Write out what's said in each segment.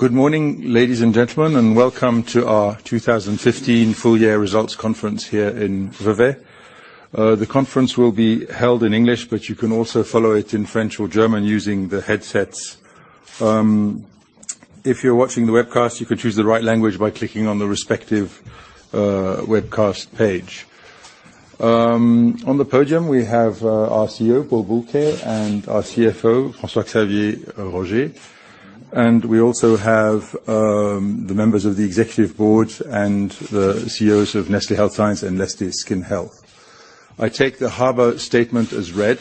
Good morning, ladies and gentlemen, and welcome to our 2015 full year results conference here in Vevey. The conference will be held in English, but you can also follow it in French or German using the headsets. If you're watching the webcast, you can choose the right language by clicking on the respective webcast page. On the podium, we have our CEO, Paul Bulcke, and our CFO, François-Xavier Roger, and we also have the members of the executive board and the CEOs of Nestlé Health Science and Nestlé Skin Health. I take the harbor statement as read.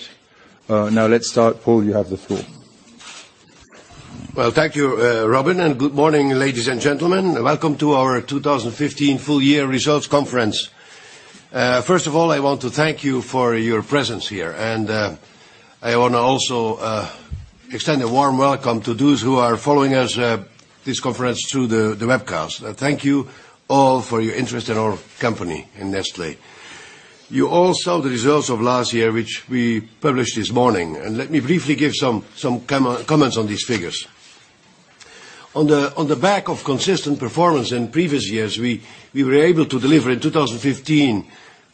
Let's start. Paul, you have the floor. Well, thank you, Robin, good morning, ladies and gentlemen. Welcome to our 2015 full year results conference. First of all, I want to thank you for your presence here, and I want to also extend a warm welcome to those who are following us, this conference through the webcast. Thank you all for your interest in our company, in Nestlé. You all saw the results of last year, which we published this morning. Let me briefly give some comments on these figures. On the back of consistent performance in previous years, we were able to deliver in 2015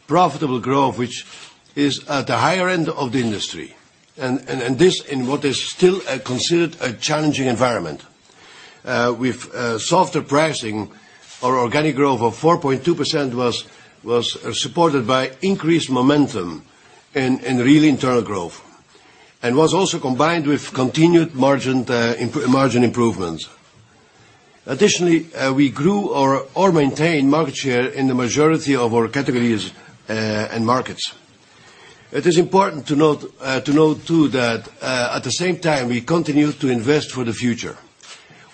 profitable growth, which is at the higher end of the industry, and this in what is still considered a challenging environment. With softer pricing, our organic growth of 4.2% was supported by increased momentum and real internal growth, and was also combined with continued margin improvements. Additionally, we grew or maintained market share in the majority of our categories and markets. It is important to note too that at the same time, we continued to invest for the future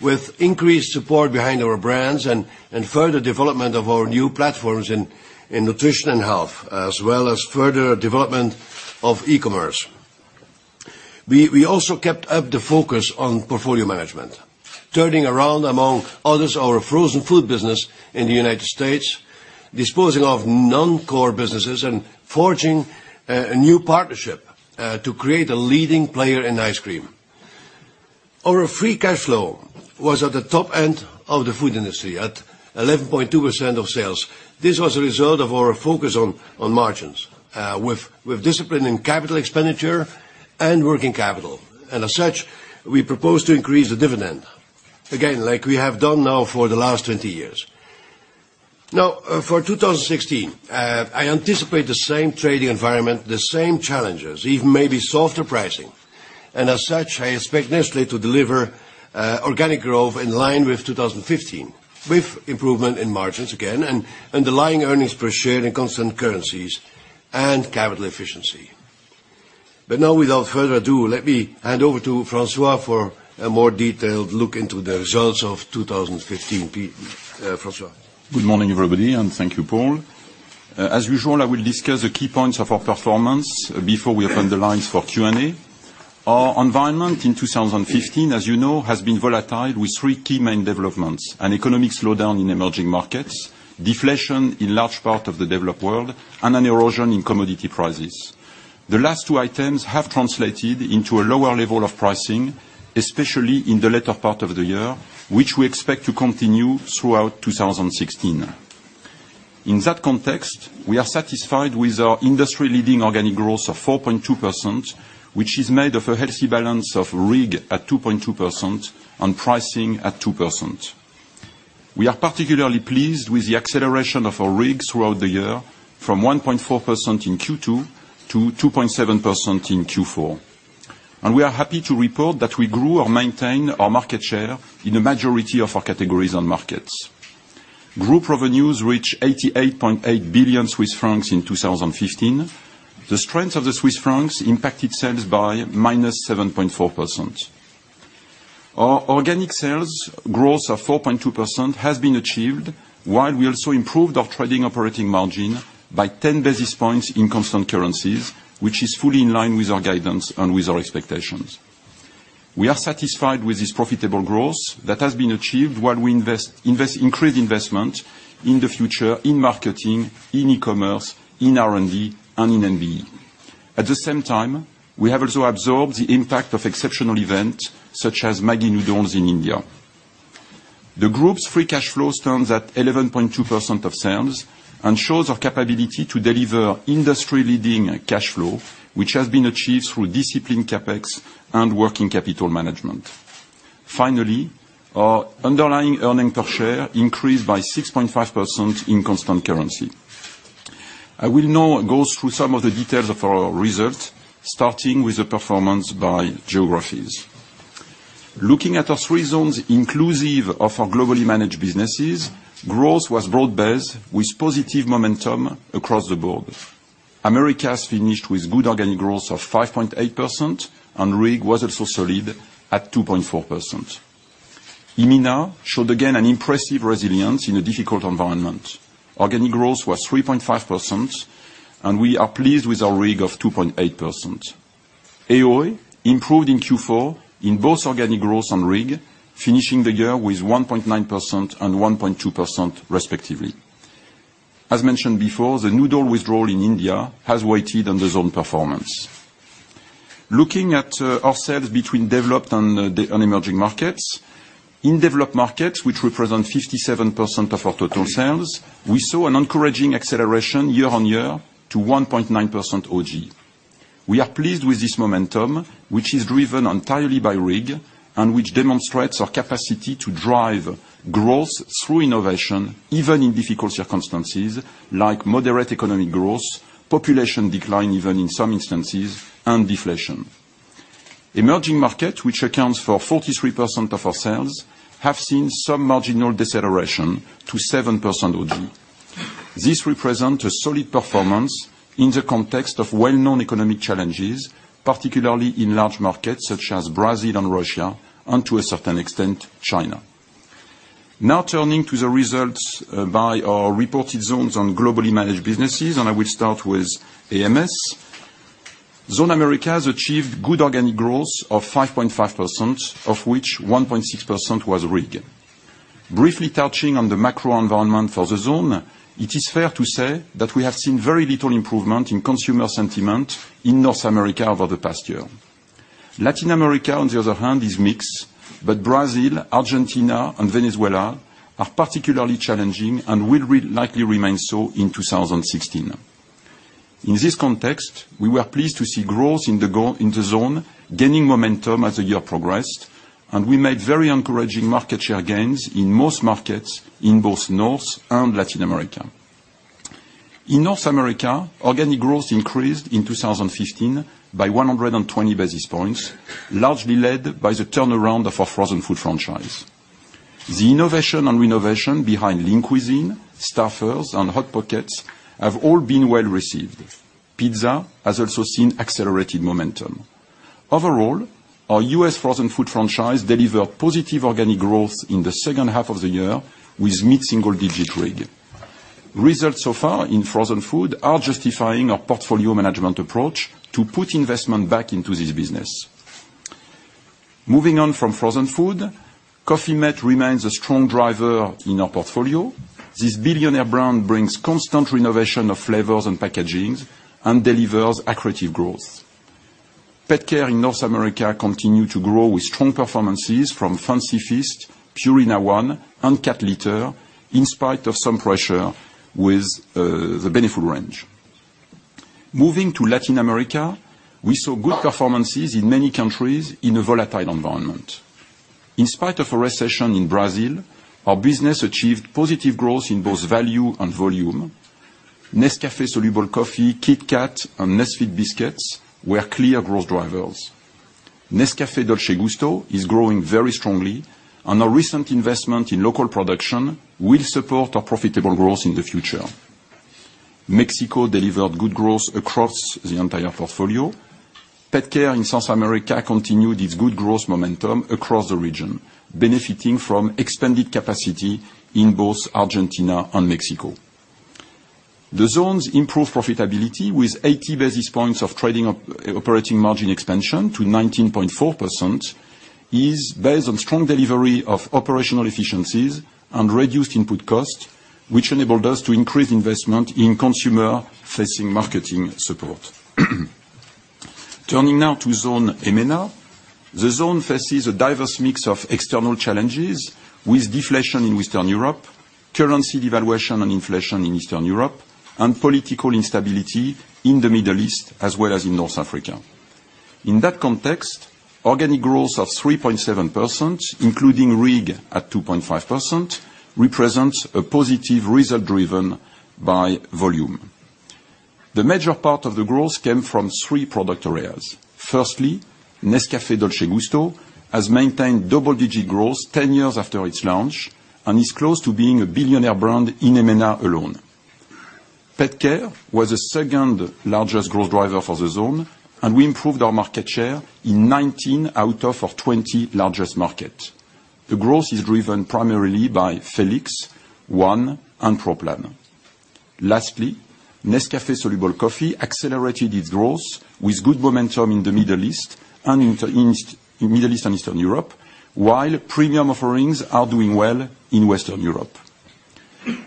with increased support behind our brands and further development of our new platforms in nutrition and health, as well as further development of e-commerce. We also kept up the focus on portfolio management, turning around, among others, our frozen food business in the United States, disposing of non-core businesses and forging a new partnership to create a leading player in ice cream. Our free cash flow was at the top end of the food industry at 11.2% of sales. This was a result of our focus on margins with discipline in capital expenditure and working capital. As such, we propose to increase the dividend, again, like we have done now for the last 20 years. For 2016, I anticipate the same trading environment, the same challenges, even maybe softer pricing. As such, I expect Nestlé to deliver organic growth in line with 2015, with improvement in margins again and underlying earnings per share in constant currencies and capital efficiency. Without further ado, let me hand over to François for a more detailed look into the results of 2015. François. Good morning, everybody, and thank you, Paul. As usual, I will discuss the key points of our performance before we open the lines for Q&A. Our environment in 2015, as you know, has been volatile with three key main developments: an economic slowdown in emerging markets, deflation in large part of the developed world, and an erosion in commodity prices. The last two items have translated into a lower level of pricing, especially in the latter part of the year, which we expect to continue throughout 2016. In that context, we are satisfied with our industry-leading organic growth of 4.2%, which is made of a healthy balance of RIG at 2.2% on pricing at 2%. We are particularly pleased with the acceleration of our RIG throughout the year from 1.4% in Q2 to 2.7% in Q4. We are happy to report that we grew or maintained our market share in the majority of our categories and markets. Group revenues reached 88.8 billion Swiss francs in 2015. The strength of the CHF impacted sales by minus 7.4%. Our organic sales growth of 4.2% has been achieved while we also improved our trading operating margin by 10 basis points in constant currencies, which is fully in line with our guidance and with our expectations. We are satisfied with this profitable growth that has been achieved while we increase investment in the future in marketing, in e-commerce, in R&D, and in Nestlé Value Engineering. At the same time, we have also absorbed the impact of exceptional events such as Maggi Noodles in India. The group's free cash flows stands at 11.2% of sales and shows our capability to deliver industry-leading cash flow, which has been achieved through disciplined CapEx and working capital management. Finally, our underlying earnings per share increased by 6.5% in constant currency. I will now go through some of the details of our results, starting with the performance by geographies. Looking at our three zones inclusive of our globally managed businesses, growth was broad-based with positive momentum across the board. Americas finished with good organic growth of 5.8% and RIG was also solid at 2.4%. EMENA showed again an impressive resilience in a difficult environment. Organic growth was 3.5% and we are pleased with our RIG of 2.8%. AOA improved in Q4 in both organic growth and RIG, finishing the year with 1.9% and 1.2% respectively. As mentioned before, the noodle withdrawal in India has weighted on the zone performance. Looking at our sales between developed and emerging markets. In developed markets, which represent 57% of our total sales, we saw an encouraging acceleration year-on-year to 1.9% OG. We are pleased with this momentum, which is driven entirely by RIG and which demonstrates our capacity to drive growth through innovation, even in difficult circumstances like moderate economic growth, population decline even in some instances, and deflation. Emerging market, which accounts for 43% of our sales, have seen some marginal deceleration to 7% OG. This represents a solid performance in the context of well-known economic challenges, particularly in large markets such as Brazil and Russia, and to a certain extent, China. Now turning to the results by our reported zones on globally managed businesses, I will start with AMS. Zone Americas achieved good organic growth of 5.5%, of which 1.6% was RIG. Briefly touching on the macro environment for the zone, it is fair to say that we have seen very little improvement in consumer sentiment in North America over the past year. Latin America, on the other hand, is mixed, but Brazil, Argentina, and Venezuela are particularly challenging and will likely remain so in 2016. In this context, we were pleased to see growth in the zone gaining momentum as the year progressed, and we made very encouraging market share gains in most markets in both North and Latin America. In North America, organic growth increased in 2015 by 120 basis points, largely led by the turnaround of our frozen food franchise. The innovation and renovation behind Lean Cuisine, Stouffer's, and Hot Pockets have all been well received. Pizza has also seen accelerated momentum. Overall, our U.S. frozen food franchise delivered positive organic growth in the second half of the year with mid-single digit RIG. Results so far in frozen food are justifying our portfolio management approach to put investment back into this business. Moving on from frozen food, Coffee-mate remains a strong driver in our portfolio. This billionaire brand brings constant renovation of flavors and packagings and delivers accretive growth. Pet care in North America continued to grow with strong performances from Fancy Feast, Purina ONE, and cat litter, in spite of some pressure with the Beneful range. Moving to Latin America, we saw good performances in many countries in a volatile environment. In spite of a recession in Brazil, our business achieved positive growth in both value and volume. Nescafé soluble coffee, KitKat, and Nesfit biscuits were clear growth drivers. Nescafé Dolce Gusto is growing very strongly, and our recent investment in local production will support our profitable growth in the future. Mexico delivered good growth across the entire portfolio. Pet care in South America continued its good growth momentum across the region, benefiting from expanded capacity in both Argentina and Mexico. The zone's improved profitability with 80 basis points of trading operating margin expansion to 19.4%, is based on strong delivery of operational efficiencies and reduced input costs, which enabled us to increase investment in consumer-facing marketing support. Turning now to zone EMENA. The zone faces a diverse mix of external challenges with deflation in Western Europe, currency devaluation and inflation in Eastern Europe, and political instability in the Middle East as well as in North Africa. In that context, organic growth of 3.7%, including RIG at 2.5%, represents a positive result driven by volume. The major part of the growth came from three product areas. Firstly, Nescafé Dolce Gusto has maintained double-digit growth 10 years after its launch and is close to being a billionaire brand in EMENA alone. Pet care was the second-largest growth driver for the zone, and we improved our market share in 19 out of our 20 largest markets. The growth is driven primarily by Felix, ONE, and Pro Plan. Lastly, Nescafé soluble coffee accelerated its growth with good momentum in the Middle East and Eastern Europe, while premium offerings are doing well in Western Europe.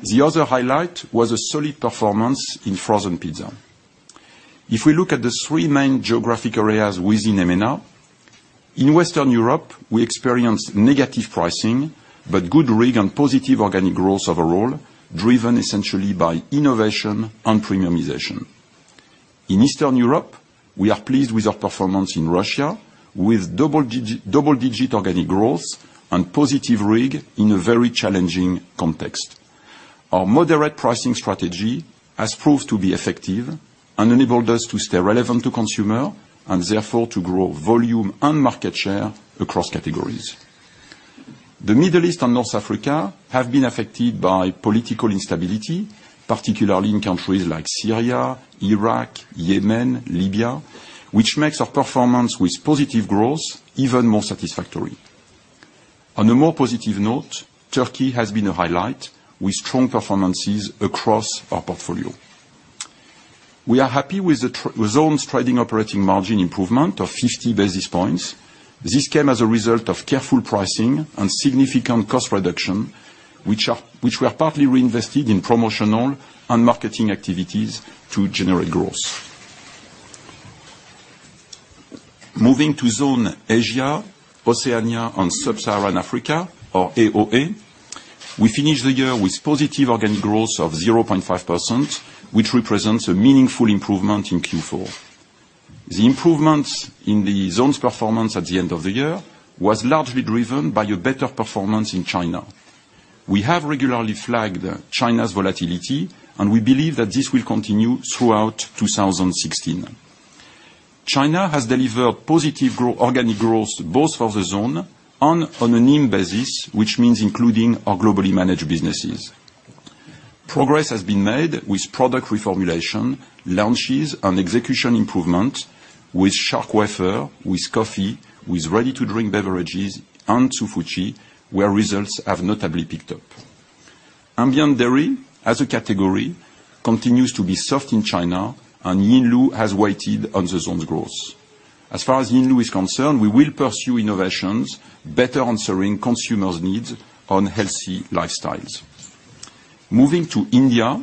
The other highlight was a solid performance in frozen pizza. If we look at the three main geographic areas within EMENA, in Western Europe, we experienced negative pricing, but good RIG and positive organic growth overall, driven essentially by innovation and premiumization. In Eastern Europe, we are pleased with our performance in Russia with double-digit organic growth and positive RIG in a very challenging context. Our moderate pricing strategy has proved to be effective and enabled us to stay relevant to consumer and therefore to grow volume and market share across categories. The Middle East and North Africa have been affected by political instability, particularly in countries like Syria, Iraq, Yemen, Libya, which makes our performance with positive growth even more satisfactory. On a more positive note, Turkey has been a highlight with strong performances across our portfolio. We are happy with the zone's trading operating margin improvement of 50 basis points. This came as a result of careful pricing and significant cost reduction, which were partly reinvested in promotional and marketing activities to generate growth. Moving to zone Asia, Oceania, and Sub-Saharan Africa, or AOA, we finished the year with positive organic growth of 0.5%, which represents a meaningful improvement in Q4. The improvements in the zone's performance at the end of the year was largely driven by a better performance in China. We have regularly flagged China's volatility, and we believe that this will continue throughout 2016. China has delivered positive organic growth both for the zone and on a NIM basis, which means including our globally managed businesses. Progress has been made with product reformulation, launches, and execution improvement with Shark Wafer, with coffee, with ready-to-drink beverages, and Hsu Fu Chi, where results have notably picked up. Ambient dairy, as a category, continues to be soft in China, and Yinlu has weighted on the zone's growth. As far as Yinlu is concerned, we will pursue innovations better answering consumers' needs on healthy lifestyles. Moving to India,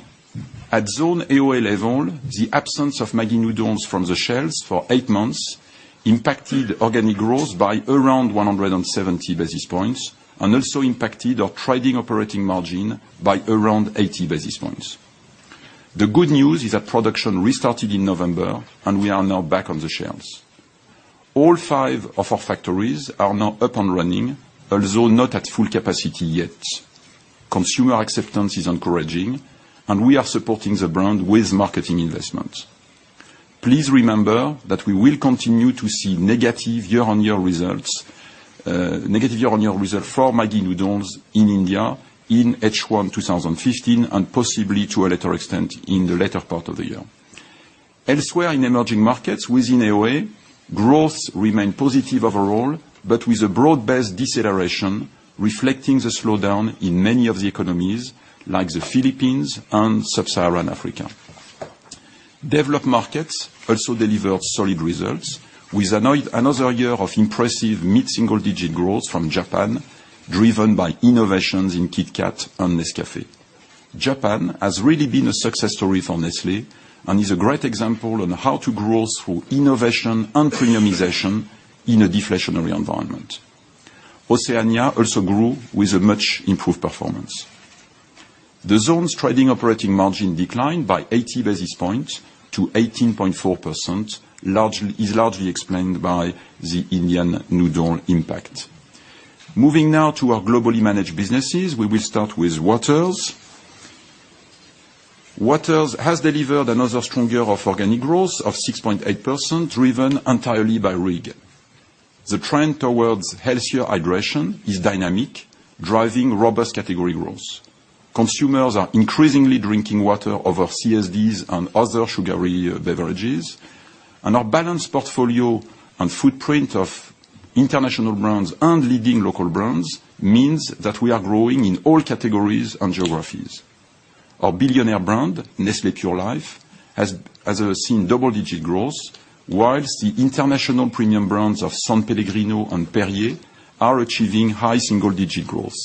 at zone AOA level, the absence of Maggi noodles from the shelves for eight months impacted organic growth by around 170 basis points and also impacted our trading operating margin by around 80 basis points. The good news is that production restarted in November, and we are now back on the shelves. All five of our factories are now up and running, although not at full capacity yet. Consumer acceptance is encouraging, and we are supporting the brand with marketing investment. Please remember that we will continue to see negative year-on-year results for Maggi noodles in India in H1 2016 and possibly to a later extent in the later part of the year. Elsewhere in emerging markets within AOA, growth remained positive overall, but with a broad-based deceleration reflecting the slowdown in many of the economies, like the Philippines and Sub-Saharan Africa. Developed markets also delivered solid results with another year of impressive mid-single-digit growth from Japan, driven by innovations in KitKat and Nescafé. Japan has really been a success story for Nestlé and is a great example on how to grow through innovation and premiumization in a deflationary environment. Oceania also grew with a much improved performance. The zone's trading operating margin declined by 80 basis points to 18.4%, is largely explained by the Indian noodle impact. Moving now to our globally managed businesses, we will start with Waters. Waters has delivered another strong year of organic growth of 6.8%, driven entirely by RIG. The trend towards healthier hydration is dynamic, driving robust category growth. Consumers are increasingly drinking water over CSDs and other sugary beverages, and our balanced portfolio and footprint of international brands and leading local brands means that we are growing in all categories and geographies. Our billionaire brand, Nestlé Pure Life, has seen double-digit growth, whilst the international premium brands of S.Pellegrino and Perrier are achieving high single-digit growth.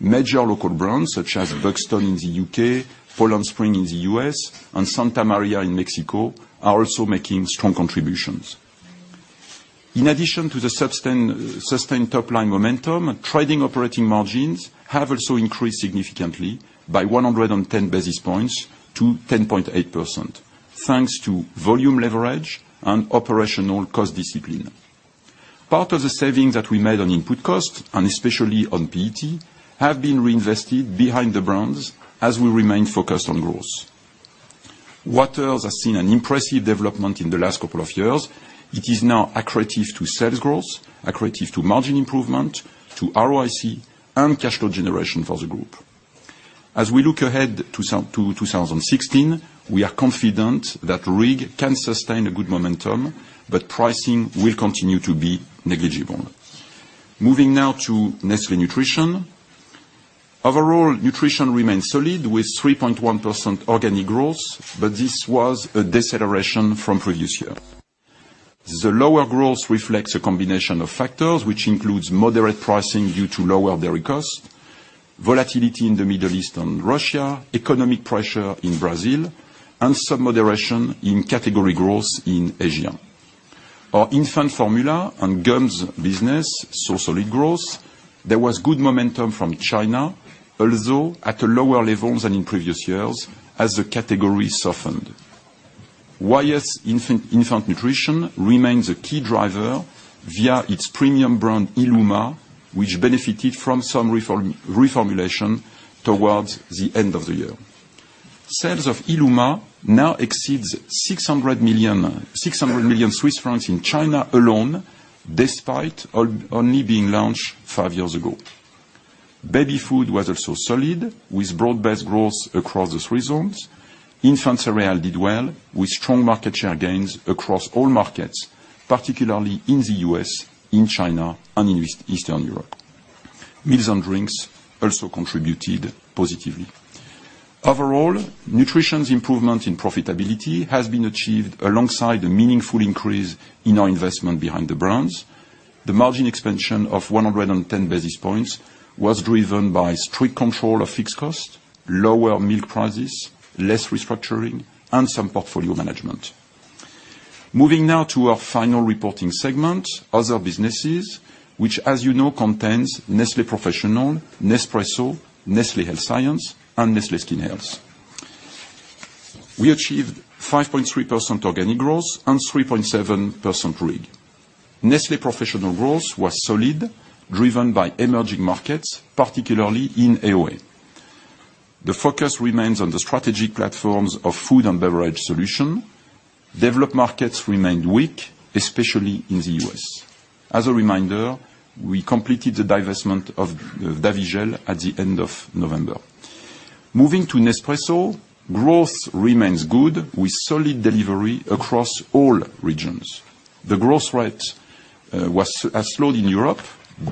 Major local brands such as Buxton in the U.K., Poland Spring in the U.S., and Santa María in Mexico are also making strong contributions. In addition to the sustained top-line momentum, trading operating margins have also increased significantly by 110 basis points to 10.8%, thanks to volume leverage and operational cost discipline. Part of the savings that we made on input cost, and especially on PET, have been reinvested behind the brands as we remain focused on growth. Waters has seen an impressive development in the last couple of years. It is now accretive to sales growth, accretive to margin improvement, to ROIC, and cash flow generation for the group. As we look ahead to 2016, we are confident that RIG can sustain a good momentum. Pricing will continue to be negligible. Moving now to Nestlé Nutrition. Overall, nutrition remains solid with 3.1% organic growth. This was a deceleration from previous year. The lower growth reflects a combination of factors, which includes moderate pricing due to lower dairy costs, volatility in the Middle East and Russia, economic pressure in Brazil, and some moderation in category growth in Asia. Our infant formula and GUMs business saw solid growth. There was good momentum from China, although at lower levels than in previous years as the category softened. Wyeth Infant Nutrition remains a key driver via its premium brand, illuma, which benefited from some reformulation towards the end of the year. Sales of illuma now exceeds 600 million Swiss francs in China alone, despite only being launched five years ago. Baby food was also solid with broad-based growth across the 3 zones. Infant cereal did well with strong market share gains across all markets, particularly in the U.S., in China, and in Eastern Europe. Meals and drinks also contributed positively. Overall, nutrition's improvement in profitability has been achieved alongside a meaningful increase in our investment behind the brands. The margin expansion of 110 basis points was driven by strict control of fixed costs, lower milk prices, less restructuring, and some portfolio management. Moving now to our final reporting segment, other businesses, which, as you know, contains Nestlé Professional, Nespresso, Nestlé Health Science, and Nestlé Skin Health. We achieved 5.3% organic growth and 3.7% RIG. Nestlé Professional growth was solid, driven by emerging markets, particularly in AOA. The focus remains on the strategy platforms of food and beverage solutions. Developed markets remained weak, especially in the U.S. As a reminder, we completed the divestment of Davigel at the end of November. Moving to Nespresso, growth remains good with solid delivery across all regions. The growth rate has slowed in Europe,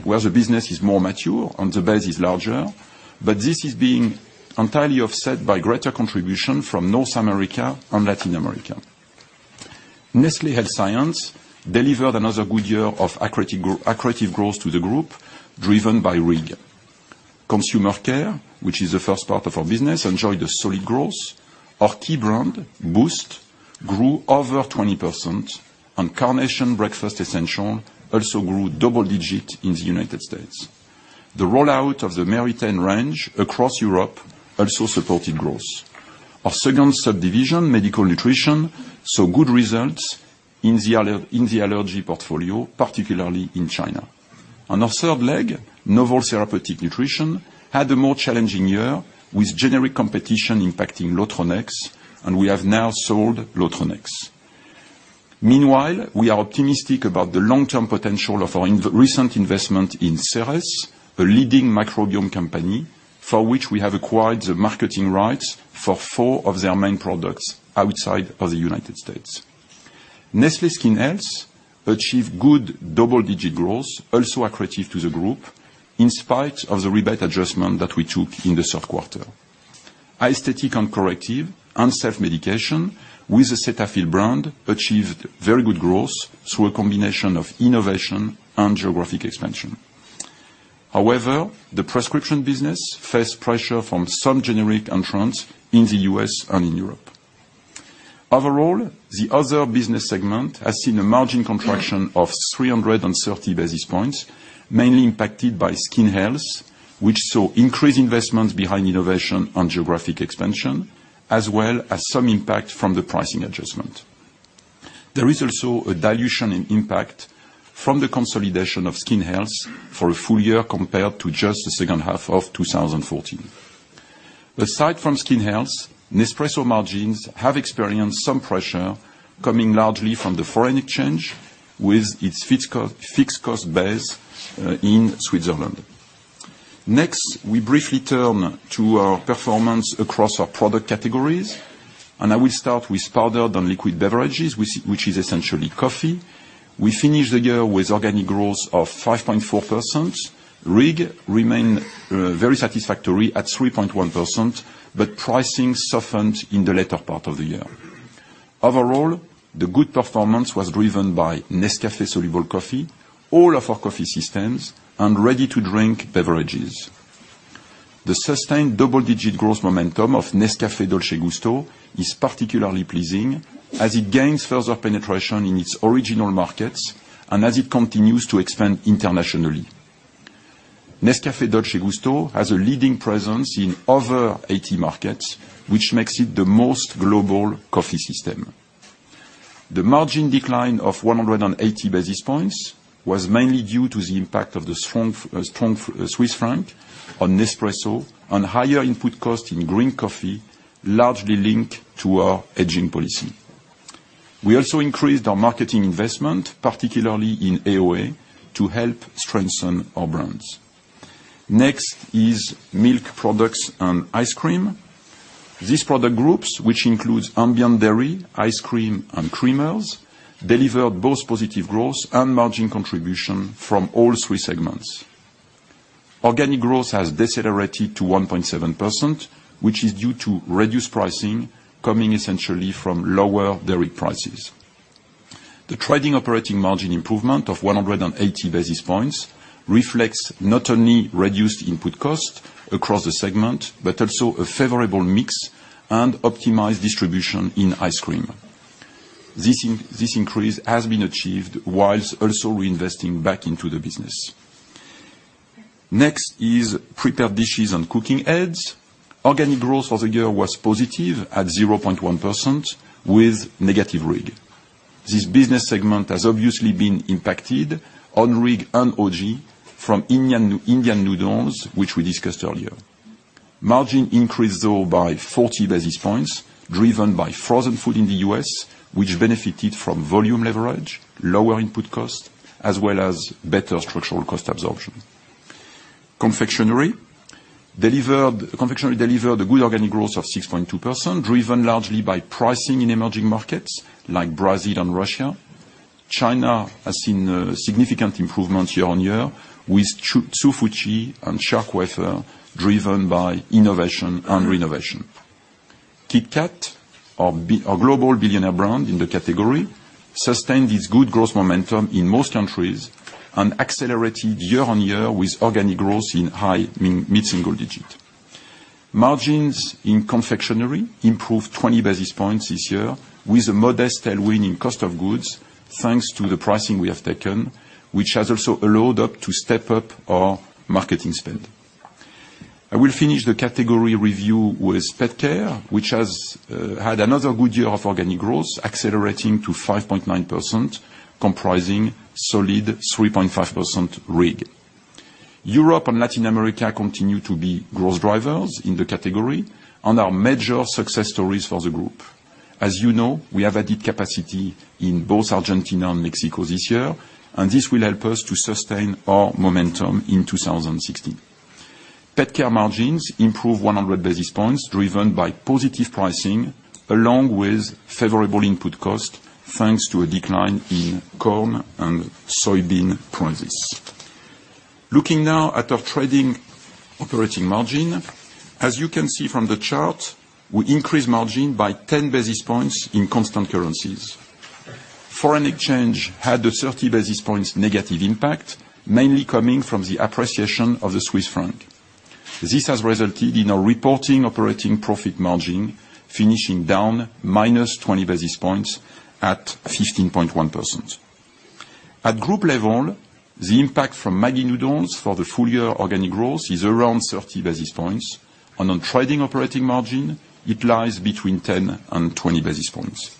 where the business is more mature, and the base is larger. This is being entirely offset by greater contribution from North America and Latin America. Nestlé Health Science delivered another good year of accretive growth to the group, driven by RIG. Consumer care, which is the first part of our business, enjoyed a solid growth. Our key brand, Boost, grew over 20%, and Carnation Breakfast Essentials also grew double digit in the United States. The rollout of the Meritene range across Europe also supported growth. Our second subdivision, medical nutrition, saw good results in the allergy portfolio, particularly in China. Our third leg, novel therapeutic nutrition, had a more challenging year with generic competition impacting Lotronex, and we have now sold Lotronex. Meanwhile, we are optimistic about the long-term potential of our recent investment in Seres, a leading microbiome company, for which we have acquired the marketing rights for four of their main products outside of the U.S. Nestlé Skin Health achieved good double-digit growth, also accretive to the group, in spite of the rebate adjustment that we took in the third quarter. Aesthetic and corrective and self-medication with the Cetaphil brand achieved very good growth through a combination of innovation and geographic expansion. However, the prescription business faced pressure from some generic entrants in the U.S. and in Europe. Overall, the other business segment has seen a margin contraction of 330 basis points, mainly impacted by Nestlé Skin Health, which saw increased investments behind innovation and geographic expansion, as well as some impact from the pricing adjustment. There is also a dilution in impact from the consolidation of Nestlé Skin Health for a full year compared to just the second half of 2014. Aside from Nestlé Skin Health, Nespresso margins have experienced some pressure coming largely from the Foreign Exchange with its fixed cost base in Switzerland. Next, we briefly turn to our performance across our product categories. I will start with powdered and liquid beverages, which is essentially coffee. We finished the year with organic growth of 5.4%. RIG remained very satisfactory at 3.1%, pricing softened in the latter part of the year. Overall, the good performance was driven by Nescafé soluble coffee, all of our coffee systems, and ready-to-drink beverages. The sustained double-digit growth momentum of Nescafé Dolce Gusto is particularly pleasing as it gains further penetration in its original markets and as it continues to expand internationally. Nescafé Dolce Gusto has a leading presence in over 80 markets, which makes it the most global coffee system. The margin decline of 180 basis points was mainly due to the impact of the strong Swiss franc on Nespresso and higher input cost in green coffee, largely linked to our hedging policy. We also increased our marketing investment, particularly in AOA, to help strengthen our brands. Next is milk products and ice cream. These product groups, which includes ambient dairy, ice cream, and creamers, delivered both positive growth and margin contribution from all three segments. Organic growth has decelerated to 1.7%, which is due to reduced pricing coming essentially from lower dairy prices. The trading operating margin improvement of 180 basis points reflects not only reduced input cost across the segment, but also a favorable mix and optimized distribution in ice cream. This increase has been achieved whilst also reinvesting back into the business. Next is prepared dishes and cooking aids. Organic growth for the year was positive at 0.1% with negative RIG. This business segment has obviously been impacted on RIG and OG from Indian noodles, which we discussed earlier. Margin increased though by 40 basis points, driven by frozen food in the U.S., which benefited from volume leverage, lower input cost, as well as better structural cost absorption. Confectionery delivered a good organic growth of 6.2%, driven largely by pricing in emerging markets like Brazil and Russia. China has seen a significant improvement year-on-year with Hsu Fu Chi and Crispy Shark Wafer driven by innovation and renovation. KitKat, our global Billionaire brand in the category, sustained its good growth momentum in most countries and accelerated year-on-year with organic growth in high mid-single digit. Margins in confectionery improved 20 basis points this year with a modest tailwind in cost of goods, thanks to the pricing we have taken, which has also allowed us to step up our marketing spend. I will finish the category review with Petcare, which has had another good year of organic growth, accelerating to 5.9%, comprising solid 3.5% RIG. Europe and Latin America continue to be growth drivers in the category and are major success stories for the group. As you know, we have added capacity in both Argentina and Mexico this year. This will help us to sustain our momentum in 2016. Petcare margins improved 100 basis points, driven by positive pricing along with favorable input cost, thanks to a decline in corn and soybean prices. Looking now at our trading operating margin. As you can see from the chart, we increased margin by 10 basis points in constant currencies. Foreign Exchange had a 30 basis points negative impact, mainly coming from the appreciation of the Swiss franc. This has resulted in our reporting operating profit margin finishing down minus 20 basis points at 15.1%. At group level, the impact from Maggi for the full year organic growth is around 30 basis points, and on trading operating margin, it lies between 10 and 20 basis points.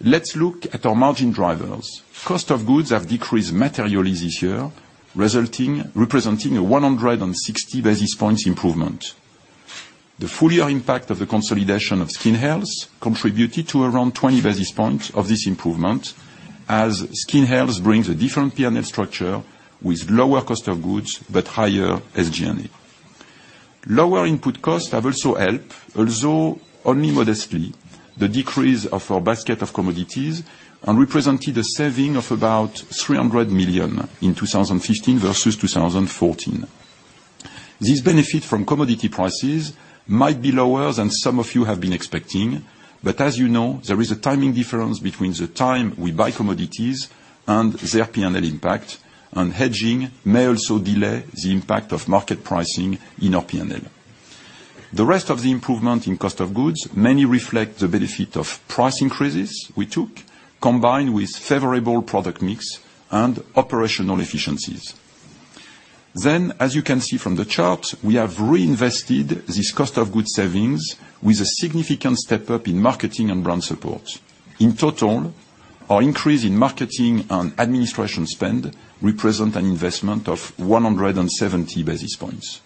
Let's look at our margin drivers. Cost of goods have decreased materially this year, representing a 160 basis points improvement. The full year impact of the consolidation of Skin Health contributed to around 20 basis points of this improvement, as Skin Health brings a different P&L structure with lower cost of goods but higher SG&A. Lower input costs have also helped, although only modestly, the decrease of our basket of commodities and represented a saving of about 300 million in 2015 versus 2014. This benefit from commodity prices might be lower than some of you have been expecting, as you know, there is a timing difference between the time we buy commodities and their P&L impact, and hedging may also delay the impact of market pricing in our P&L. The rest of the improvement in cost of goods mainly reflect the benefit of price increases we took, combined with favorable product mix and operational efficiencies. As you can see from the chart, we have reinvested this cost of goods savings with a significant step-up in marketing and brand support. In total, our increase in marketing and administration spend represent an investment of 170 basis points.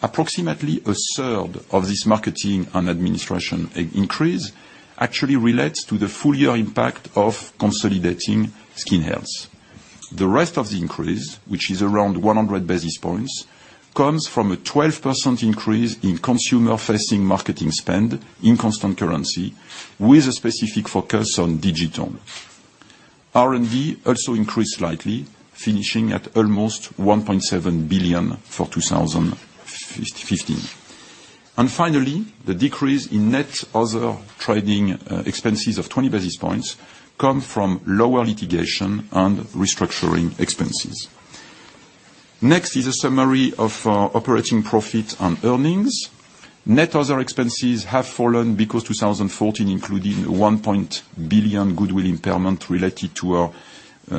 Approximately a third of this marketing and administration increase actually relates to the full year impact of consolidating Skin Health. The rest of the increase, which is around 100 basis points, comes from a 12% increase in consumer-facing marketing spend in constant currency with a specific focus on digital. R&D also increased slightly, finishing at almost 1.7 billion for 2015. Finally, the decrease in net other trading expenses of 20 basis points come from lower litigation and restructuring expenses. Next is a summary of our operating profit and earnings. Net other expenses have fallen because 2014 included 1 billion goodwill impairment related to our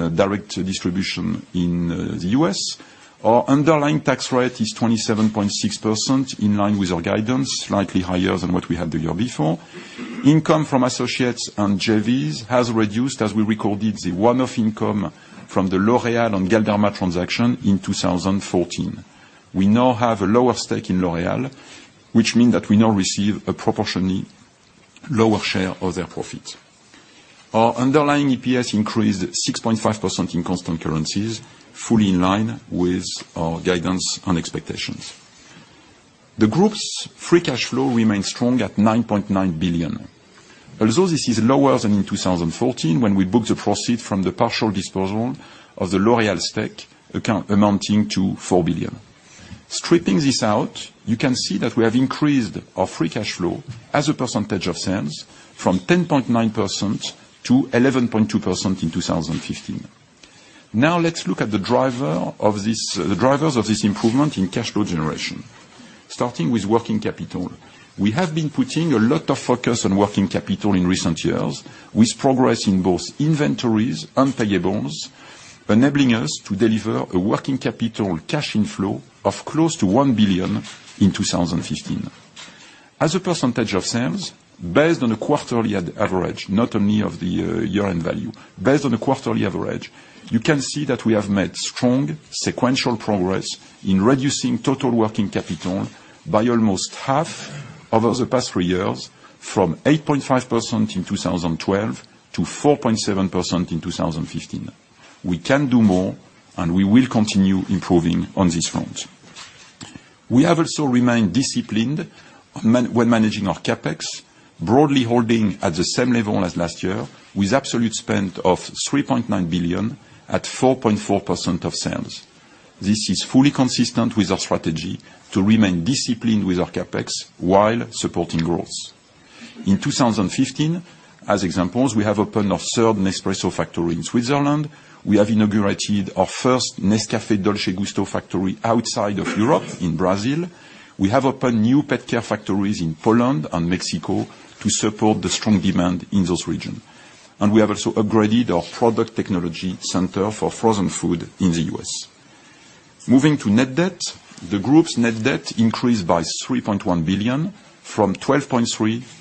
direct distribution in the U.S. Our underlying tax rate is 27.6%, in line with our guidance, slightly higher than what we had the year before. Income from associates and JVs has reduced as we recorded the one-off income from the L'Oréal and Galderma transaction in 2014. We now have a lower stake in L'Oréal, which means that we now receive a proportionally lower share of their profit. Our underlying EPS increased 6.5% in constant currencies, fully in line with our guidance and expectations. The group's free cash flow remains strong at 9.9 billion. Although this is lower than in 2014, when we booked the proceed from the partial disposal of the L'Oréal stake amounting to 4 billion. Stripping this out, you can see that we have increased our free cash flow as a percentage of sales from 10.9%-11.2% in 2015. Let's look at the drivers of this improvement in cash flow generation. Starting with working capital. We have been putting a lot of focus on working capital in recent years, with progress in both inventories and payables, enabling us to deliver a working capital cash inflow of close to 1 billion in 2015. As a percentage of sales, based on a quarterly average, not only of the year-end value, based on a quarterly average, you can see that we have made strong sequential progress in reducing total working capital by almost half over the past three years from 8.5% in 2012 to 4.7% in 2015. We can do more, we will continue improving on this front. We have also remained disciplined when managing our CapEx, broadly holding at the same level as last year, with absolute spend of 3.9 billion at 4.4% of sales. This is fully consistent with our strategy to remain disciplined with our CapEx while supporting growth. In 2015, as examples, we have opened our third Nespresso factory in Switzerland. We have inaugurated our first Nescafé Dolce Gusto factory outside of Europe in Brazil. We have opened new Petcare factories in Poland and Mexico to support the strong demand in those regions. We have also upgraded our product technology center for frozen food in the U.S. Moving to net debt. The group's net debt increased by 3.1 billion from 12.3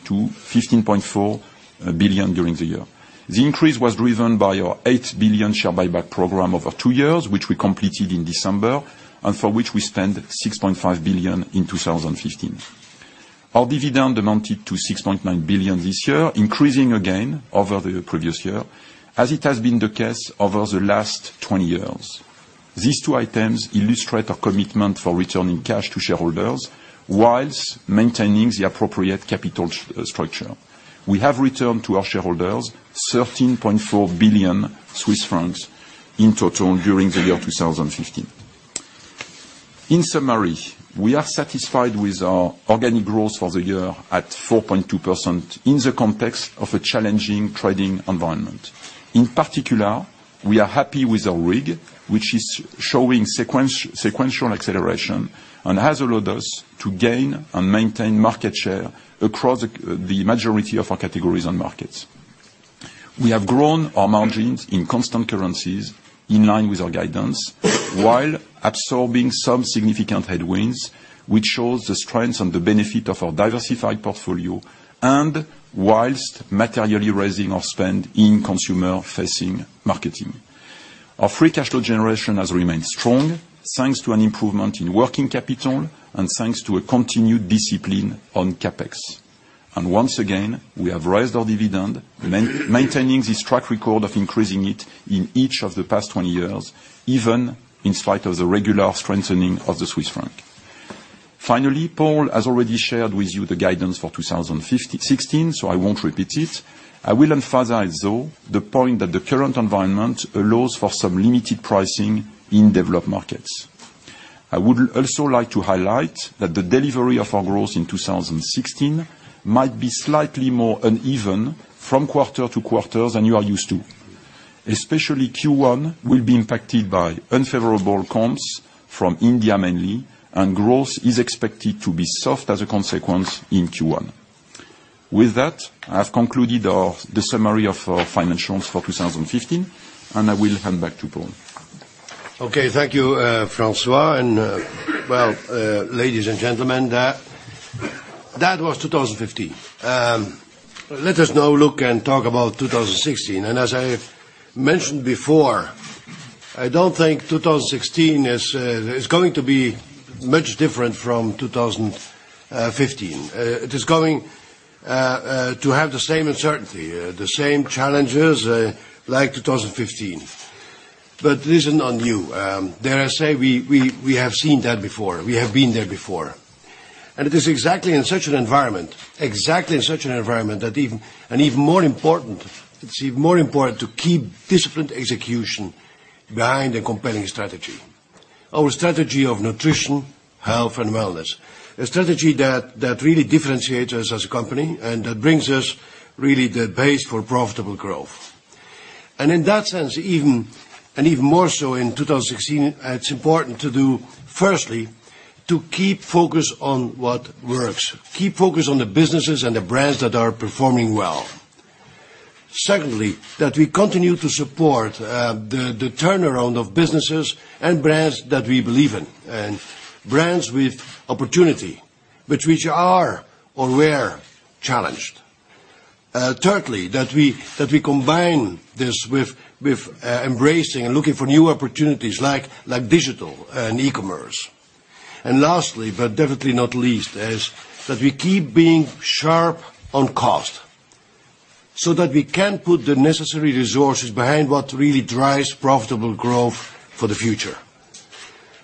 billion-15.4 billion during the year. The increase was driven by our 8 billion share buyback program over two years, which we completed in December, and for which we spent 6.5 billion in 2015. Our dividend amounted to 6.9 billion this year, increasing again over the previous year, as it has been the case over the last 20 years. These two items illustrate our commitment for returning cash to shareholders whilst maintaining the appropriate capital structure. We have returned to our shareholders 13.4 billion Swiss francs in total during the year 2015. In summary, we are satisfied with our organic growth for the year at 4.2% in the context of a challenging trading environment. In particular, we are happy with our RIG, which is showing sequential acceleration and has allowed us to gain and maintain market share across the majority of our categories and markets. We have grown our margins in constant currencies in line with our guidance, while absorbing some significant headwinds, which shows the strengths and the benefit of our diversified portfolio, and whilst materially raising our spend in consumer-facing marketing. Our free cash flow generation has remained strong, thanks to an improvement in working capital and thanks to a continued discipline on CapEx. Once again, we have raised our dividend, maintaining this track record of increasing it in each of the past 20 years, even in spite of the regular strengthening of the Swiss franc. Finally, Paul has already shared with you the guidance for 2016, I won't repeat it. I will emphasize, though, the point that the current environment allows for some limited pricing in developed markets. I would also like to highlight that the delivery of our growth in 2016 might be slightly more uneven from quarter to quarter than you are used to. Especially Q1 will be impacted by unfavorable comps from India mainly, growth is expected to be soft as a consequence in Q1. With that, I have concluded the summary of our financials for 2015, I will hand back to Paul. Okay. Thank you, François. Well, ladies and gentlemen, that was 2015. Let us now look and talk about 2016. As I mentioned before, I don't think 2016 is going to be much different from 2015. It is going to have the same uncertainty, the same challenges like 2015. This is not new. Dare I say, we have seen that before. We have been there before. It is exactly in such an environment that even more important to keep disciplined execution behind a compelling strategy. Our strategy of nutrition, health, and wellness, a strategy that really differentiates us as a company and that brings us really the base for profitable growth. In that sense, even more so in 2016, it's important to do, firstly, to keep focus on what works, keep focus on the businesses and the brands that are performing well. Secondly, that we continue to support the turnaround of businesses and brands that we believe in, and brands with opportunity, but which are or were challenged. Thirdly, that we combine this with embracing and looking for new opportunities like digital and e-commerce. Lastly, but definitely not least, is that we keep being sharp on cost so that we can put the necessary resources behind what really drives profitable growth for the future.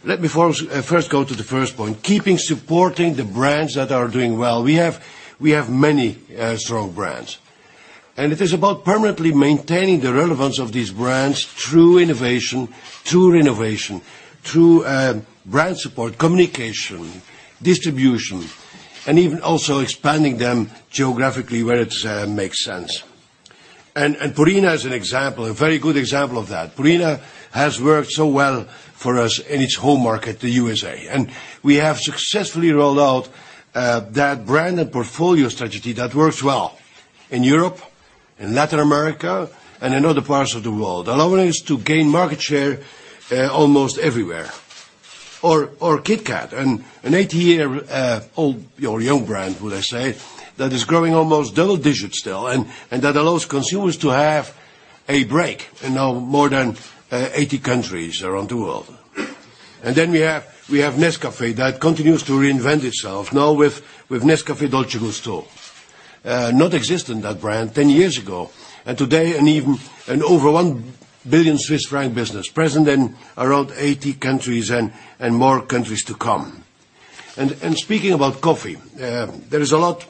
Let me first go to the first point, keeping supporting the brands that are doing well. We have many strong brands. It is about permanently maintaining the relevance of these brands through innovation, through renovation, through brand support, communication, distribution, and even also expanding them geographically where it makes sense. Purina is an example, a very good example of that. Purina has worked so well for us in its home market, the U.S.A. We have successfully rolled out that brand and portfolio strategy that works well. In Europe, in Latin America, in other parts of the world, allowing us to gain market share almost everywhere. KitKat, an 80-year-old, or young brand, would I say, that is growing almost double digits still and that allows consumers to have a break in now more than 80 countries around the world. Nescafé continues to reinvent itself now with Nescafé Dolce Gusto. Not existent, that brand, 10 years ago. Today, a 1 billion Swiss franc business present in around 80 countries and more countries to come. Speaking about coffee, there is a lot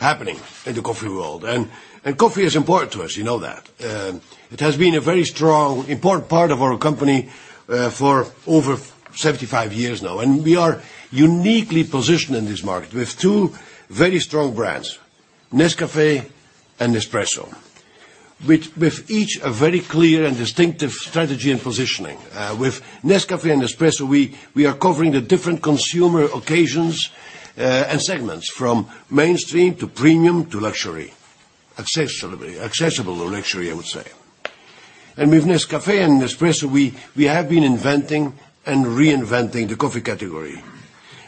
happening in the coffee world. Coffee is important to us, you know that. It has been a very strong, important part of our company for over 75 years now. We are uniquely positioned in this market with two very strong brands, Nescafé and Nespresso, with each a very clear and distinctive strategy and positioning. With Nescafé and Nespresso, we are covering the different consumer occasions and segments, from mainstream to premium to luxury. Accessible luxury, I would say. With Nescafé and Nespresso, we have been inventing and reinventing the coffee category.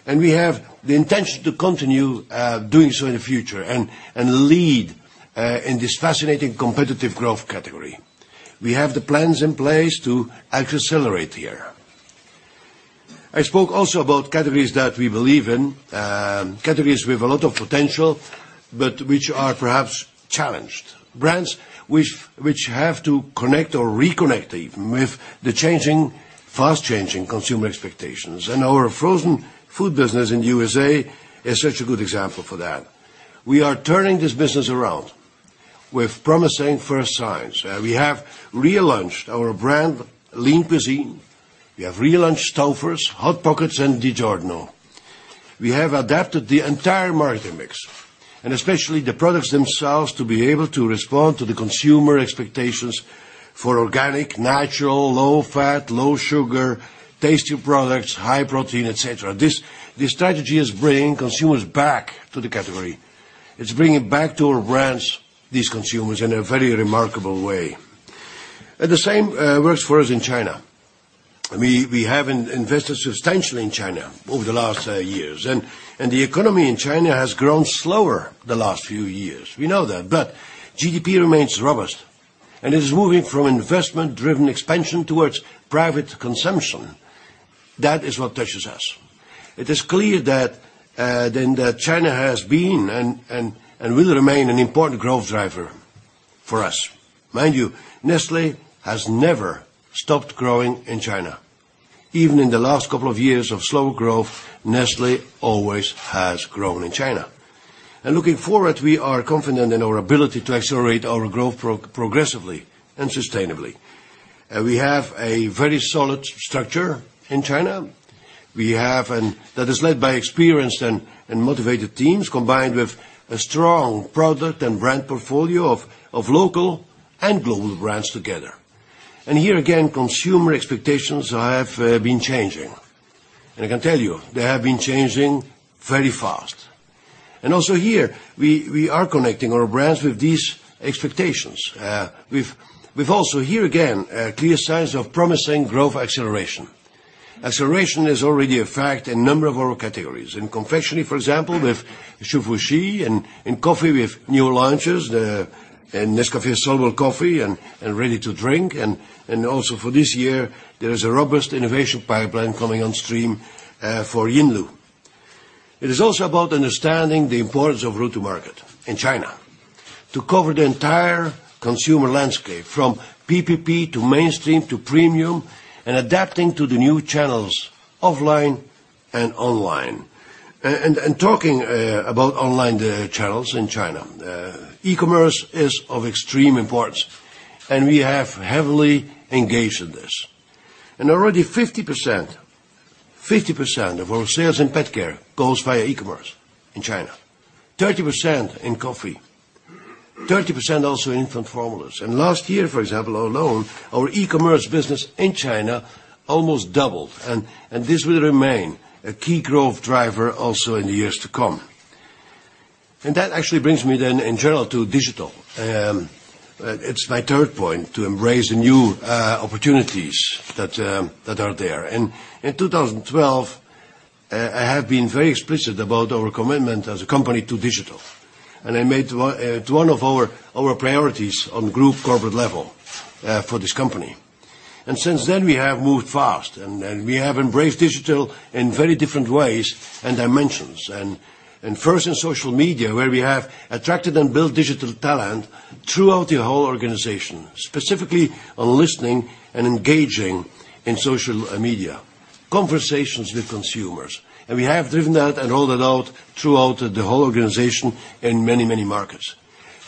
We have the intention to continue doing so in the future and lead in this fascinating competitive growth category. We have the plans in place to accelerate here. I spoke also about categories that we believe in, categories with a lot of potential, but which are perhaps challenged. Brands which have to connect or reconnect even with the fast-changing consumer expectations. Our frozen food business in the U.S. is such a good example for that. We are turning this business around with promising first signs. We have relaunched our brand Lean Cuisine. We have relaunched Stouffer's, Hot Pockets, and DiGiorno. We have adapted the entire market mix and especially the products themselves, to be able to respond to the consumer expectations for organic, natural, low-fat, low-sugar, tasty products, high protein, et cetera. This strategy is bringing consumers back to the category. It's bringing back to our brands these consumers in a very remarkable way. The same works for us in China. We have invested substantially in China over the last years. The economy in China has grown slower the last few years. We know that. GDP remains robust, and it is moving from investment-driven expansion towards private consumption. That is what touches us. It is clear that China has been and will remain an important growth driver for us. Mind you, Nestlé has never stopped growing in China. Even in the last couple of years of slow growth, Nestlé always has grown in China. Looking forward, we are confident in our ability to accelerate our growth progressively and sustainably. We have a very solid structure in China. That is led by experienced and motivated teams, combined with a strong product and brand portfolio of local and global brands together. Here again, consumer expectations have been changing, and I can tell you they have been changing very fast. Also here, we are connecting our brands with these expectations. We've also here, again, clear signs of promising growth acceleration. Acceleration is already a fact in a number of our categories. In confectionery, for example, with Hsu Fu Chi, in coffee with new launches, Nescafé soluble coffee and ready-to-drink. Also for this year, there is a robust innovation pipeline coming on stream for Yinlu. It is also about understanding the importance of route to market in China to cover the entire consumer landscape, from PPP to mainstream to premium, adapting to the new channels offline and online. Talking about online channels in China, e-commerce is of extreme importance, we have heavily engaged in this. Already 50% of our sales in pet care goes via e-commerce in China, 30% in coffee, 30% also infant formulas. Last year, for example, alone, our e-commerce business in China almost doubled, this will remain a key growth driver also in the years to come. That actually brings me then in general to digital. It's my third point, to embrace the new opportunities that are there. In 2012, I have been very explicit about our commitment as a company to digital, I made it one of our priorities on group corporate level for this company. Since then, we have moved fast, we have embraced digital in very different ways and dimensions. First in social media, where we have attracted and built digital talent throughout the whole organization, specifically on listening and engaging in social media, conversations with consumers. We have driven that and rolled it out throughout the whole organization in many, many markets.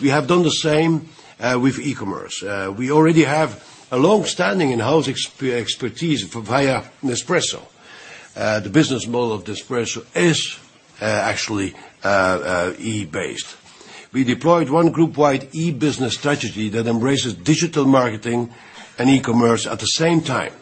We have done the same with e-commerce. We already have a long-standing in-house expertise via Nespresso. The business model of Nespresso is actually e-based. We deployed one group-wide e-business strategy that embraces digital marketing and e-commerce at the same time.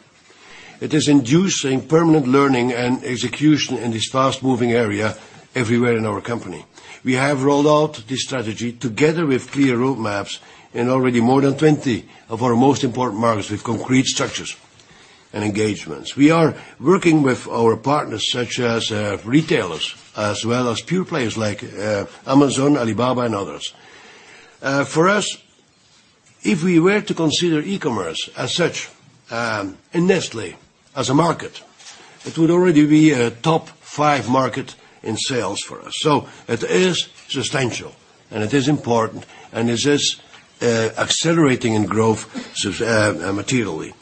It is inducing permanent learning and execution in this fast-moving area everywhere in our company. We have rolled out this strategy together with clear road maps in already more than 20 of our most important markets, with concrete structures and engagements. We are working with our partners such as retailers, as well as pure players like Amazon, Alibaba, and others. For us, if we were to consider e-commerce as such in Nestlé as a market, it would already be a top five market in sales for us. It is substantial, it is important, it is accelerating in growth materially.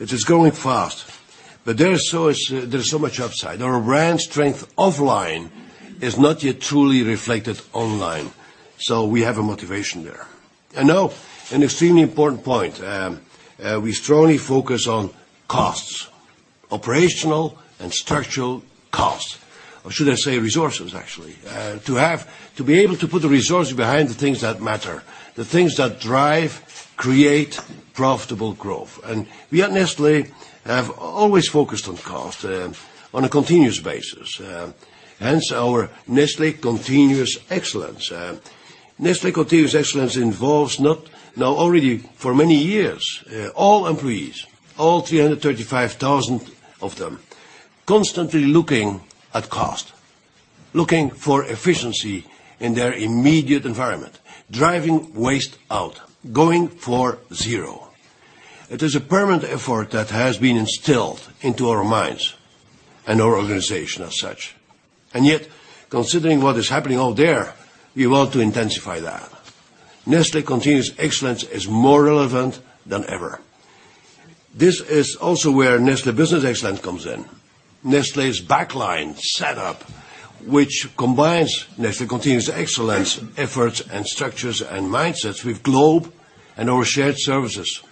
It is growing fast. There is so much upside. Our brand strength offline is not yet truly reflected online, so we have a motivation there. Now, an extremely important point. We strongly focus on costs, operational and structural costs, or should I say resources, actually. To be able to put the resources behind the things that matter, the things that drive, create profitable growth. We at Nestlé have always focused on cost on a continuous basis, hence our Nestlé Continuous Excellence. Nestlé Continuous Excellence involves now already for many years, all employees, all 335,000 of them, constantly looking at cost, looking for efficiency in their immediate environment, driving waste out, going for zero. It is a permanent effort that has been instilled into our minds and our organization as such. Yet, considering what is happening out there, we want to intensify that. Nestlé Continuous Excellence is more relevant than ever. This is also where Nestlé Business Excellence comes in. Nestlé's back line set up, which combines Nestlé Continuous Excellence efforts and structures and mindsets with GLOBE and our shared services.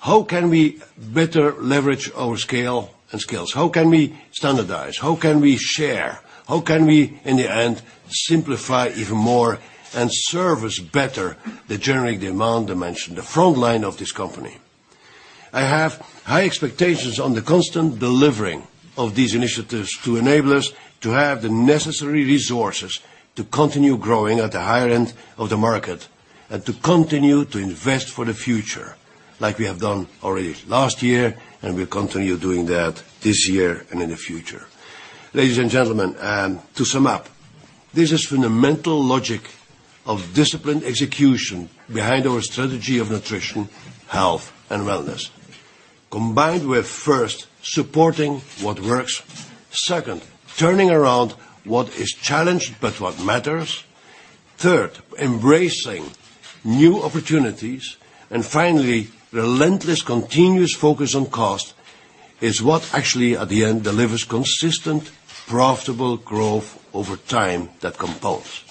How can we better leverage our scale and skills? How can we standardize? How can we share? How can we, in the end, simplify even more and service better the generic demand dimension, the frontline of this company? I have high expectations on the constant delivering of these initiatives to enable us to have the necessary resources to continue growing at the higher end of the market. To continue to invest for the future, like we have done already last year, and we'll continue doing that this year and in the future. Ladies and gentlemen, to sum up, there's a fundamental logic of disciplined execution behind our strategy of nutrition, health, and wellness. Combined with first, supporting what works. Second, turning around what is challenged, but what matters. Third, embracing new opportunities. Finally, relentless continuous focus on cost is what actually at the end delivers consistent profitable growth over time that compels.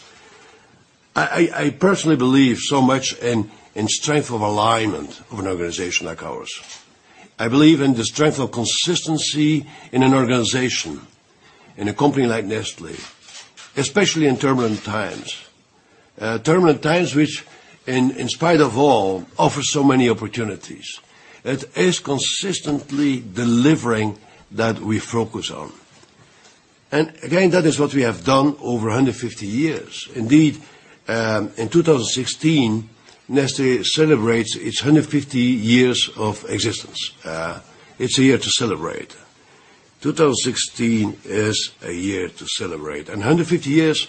I personally believe so much in strength of alignment of an organization like ours. I believe in the strength of consistency in an organization, in a company like Nestlé, especially in turbulent times. Turbulent times, which in spite of all, offer so many opportunities. It is consistently delivering that we focus on. Again, that is what we have done over 150 years. Indeed, in 2016, Nestlé celebrates its 150 years of existence. It's a year to celebrate. 2016 is a year to celebrate. 150 years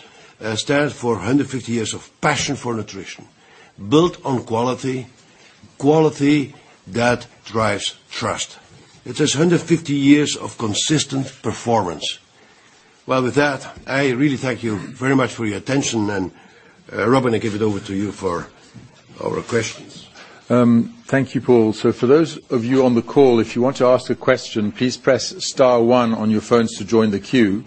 stands for 150 years of passion for nutrition, built on quality that drives trust. It is 150 years of consistent performance. Well, with that, I really thank you very much for your attention. Robin, I give it over to you for our questions. Thank you, Paul. For those of you on the call, if you want to ask a question, please press star one on your phones to join the queue.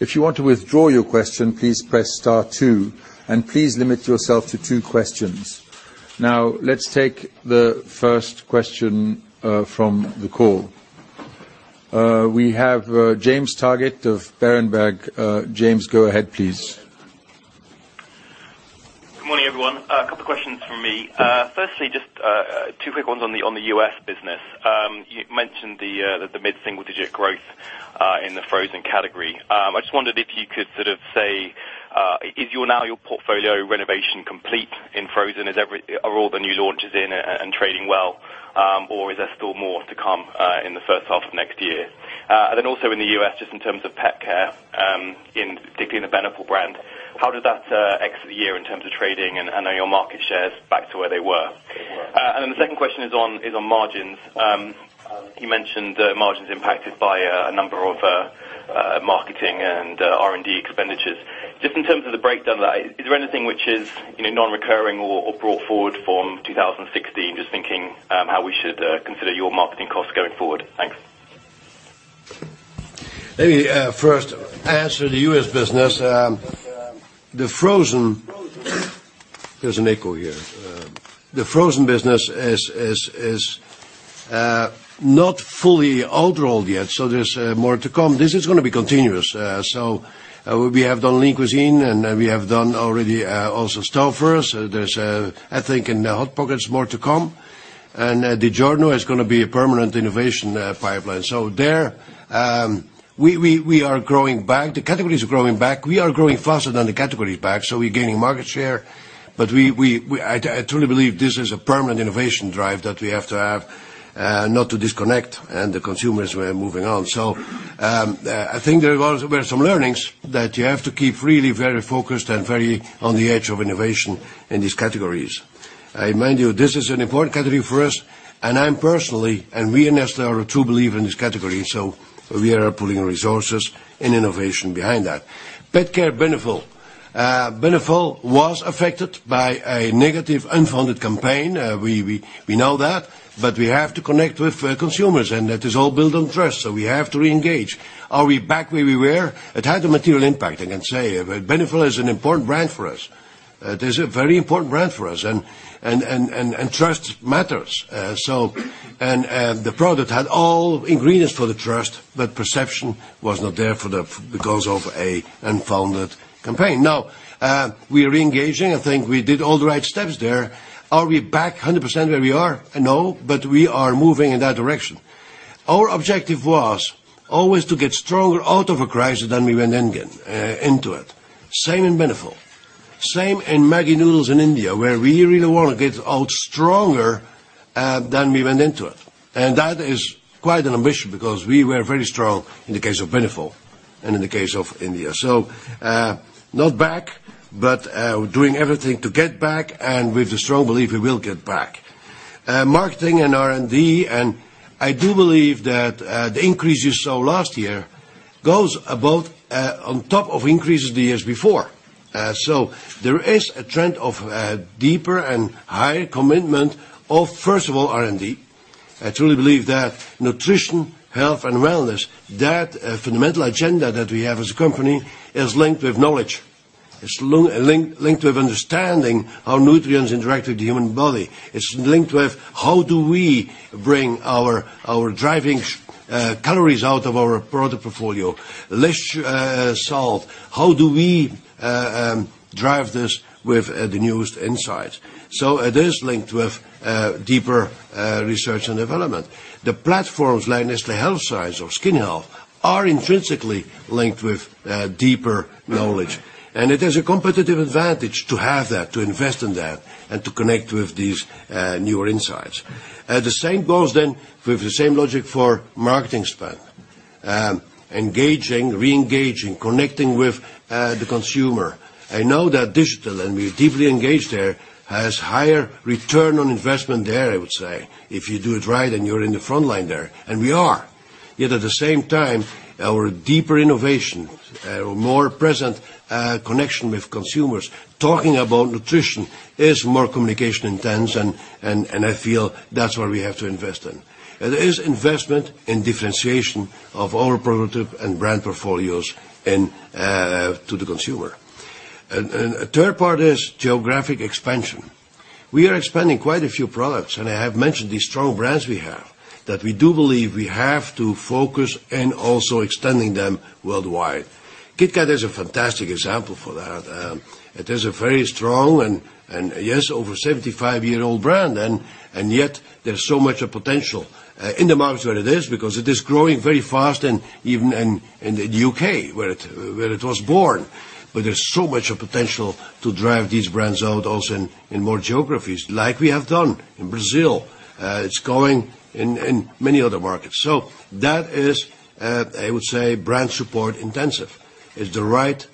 If you want to withdraw your question, please press star two, and please limit yourself to two questions. Now, let's take the first question from the call. We have James Targett of Berenberg. James, go ahead, please. Good morning, everyone. A couple questions from me. Firstly, just two quick ones on the U.S. business. You mentioned the mid-single digit growth in the frozen category. I just wondered if you could sort of say, is your now your portfolio renovation complete in frozen? Are all the new launches in and trading well? Is there still more to come in the first half of next year? Also in the U.S., just in terms of pet care, particularly in the Beneful brand, how did that exit the year in terms of trading, and are your market shares back to where they were? The second question is on margins. You mentioned margins impacted by a number of marketing and R&D expenditures. Just in terms of the breakdown of that, is there anything which is non-recurring or brought forward from 2016? Just thinking how we should consider your marketing costs going forward. Thanks. Maybe first answer the U.S. business. There's an echo here. The frozen business is not fully outrolled yet, so there's more to come. This is going to be continuous. We have done Lean Cuisine, and we have done already also Stouffer's. There's I think in the Hot Pockets, more to come. DiGiorno is going to be a permanent innovation pipeline. There, we are growing back. The categories are growing back. We are growing faster than the categories back, so we're gaining market share. I truly believe this is a permanent innovation drive that we have to have, not to disconnect, and the consumers were moving on. I think there were some learnings that you have to keep really very focused and very on the edge of innovation in these categories. I remind you, this is an important category for us, and I'm personally, and we at Nestlé are a true believer in this category, so we are putting resources and innovation behind that. Pet care, Beneful. Beneful was affected by a negative, unfounded campaign. We know that, but we have to connect with consumers, and that is all built on trust, so we have to reengage. Are we back where we were? It had a material impact, I can say. Beneful is an important brand for us. It is a very important brand for us, and trust matters. The product had all ingredients for the trust, but perception was not there because of an unfounded campaign. Now, we are reengaging. I think we did all the right steps there. Are we back 100% where we are? No, but we are moving in that direction. Our objective was always to get stronger out of a crisis than we went into it. Same in Beneful. Same in Maggi noodles in India, where we really want to get out stronger than we went into it. That is quite an ambition, because we were very strong in the case of Beneful and in the case of India. Not back, but doing everything to get back, and with the strong belief we will get back. Marketing and R&D, and I do believe that the increases you saw last year goes both on top of increases the years before. There is a trend of deeper and higher commitment of, first of all, R&D. I truly believe that nutrition, health, and wellness, that fundamental agenda that we have as a company is linked with knowledge. It's linked with understanding how nutrients interact with the human body. It's linked with how do we bring our driving calories out of our product portfolio, less salt. How do we drive this with the newest insights? It is linked with deeper research and development. The platforms like Nestlé Health Science or Skin Health are intrinsically linked with deeper knowledge. It is a competitive advantage to have that, to invest in that, and to connect with these newer insights. The same goes then with the same logic for marketing spend. Engaging, reengaging, connecting with the consumer. I know that digital, and we are deeply engaged there, has higher return on investment there, I would say. If you do it right and you're in the frontline there, and we are. At the same time, our deeper innovation, more present connection with consumers, talking about nutrition is more communication intense, and I feel that's where we have to invest in. It is investment in differentiation of our productive and brand portfolios to the consumer. Third part is geographic expansion. We are expanding quite a few products, and I have mentioned these strong brands we have, that we do believe we have to focus and also extending them worldwide. KitKat is a fantastic example for that. It is a very strong, and yes, over 75-year-old brand, and there's so much potential. In the markets where it is, because it is growing very fast and even in the U.K., where it was born. There's so much potential to drive these brands out also in more geographies, like we have done in Brazil. It's growing in many other markets. That is, I would say, brand support intensive. It's the right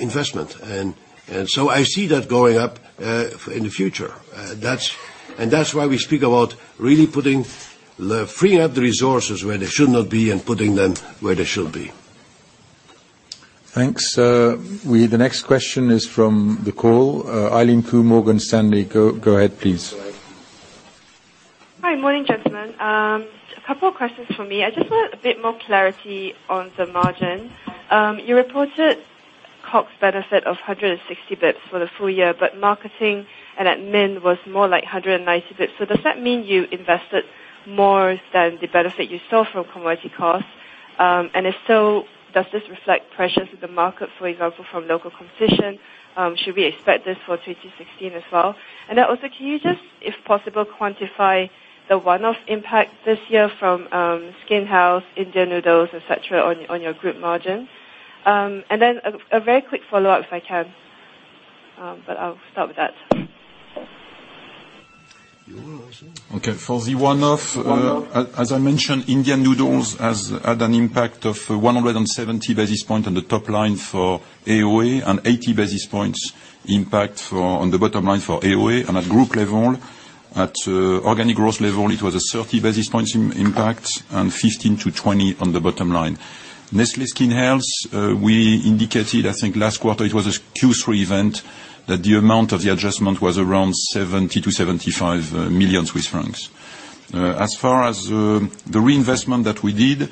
investment. I see that going up in the future. That's why we speak about really putting the freed-up resources where they should not be and putting them where they should be. Thanks. The next question is from the call. Eileen Khoo, Morgan Stanley. Go ahead, please. Hi. Morning, gentlemen. A couple of questions for me. I just want a bit more clarity on the margin. You reported COGS benefit of 160 basis points for the full year, but marketing and admin was more like 190 basis points. Does that mean you invested more than the benefit you saw from commodity cost? If so, does this reflect pressures in the market, for example, from local competition? Should we expect this for 2016 as well? Can you just, if possible, quantify the one-off impact this year from Skin Health, Indian noodles, et cetera, on your group margin? A very quick follow-up if I can. I'll start with that. You want to answer? Okay. For the one-off- For the one-off As I mentioned, Indian noodles had an impact of 170 basis points on the top line for AOA and 80 basis points impact on the bottom line for AOA. At group level, at organic growth level, it was a 30 basis points impact, and 15-20 basis points on the bottom line. Nestlé Skin Health, we indicated, I think last quarter it was a Q3 event, that the amount of the adjustment was around 70 million-75 million Swiss francs. As far as the reinvestment that we did,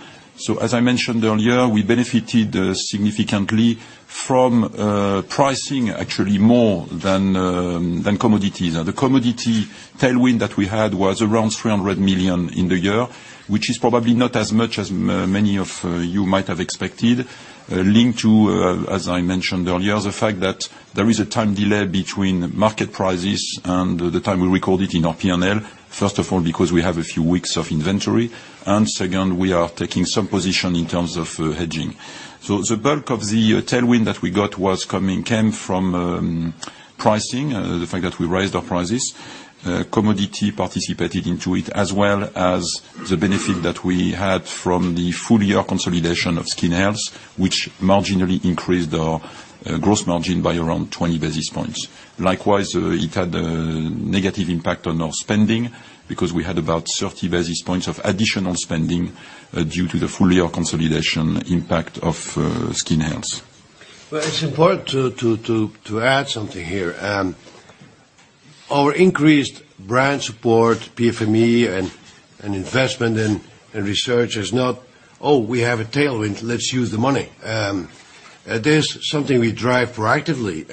as I mentioned earlier, we benefited significantly from pricing, actually, more than commodities. The commodity tailwind that we had was around 300 million in the year, which is probably not as much as many of you might have expected. Linked to, as I mentioned earlier, the fact that there is a time delay between market prices and the time we record it in our P&L. First of all, because we have a few weeks of inventory, and second, we are taking some position in terms of hedging. The bulk of the tailwind that we got came from pricing, the fact that we raised our prices. Commodities participated into it, as well as the benefit that we had from the full year consolidation of Skin Health, which marginally increased our gross margin by around 20 basis points. Likewise, it had a negative impact on our spending because we had about 30 basis points of additional spending due to the full year consolidation impact of Skin Health. It's important to add something here. Our increased brand support, PFME, and investment in research is not, "Oh, we have a tailwind, let's use the money." It is something we drive proactively.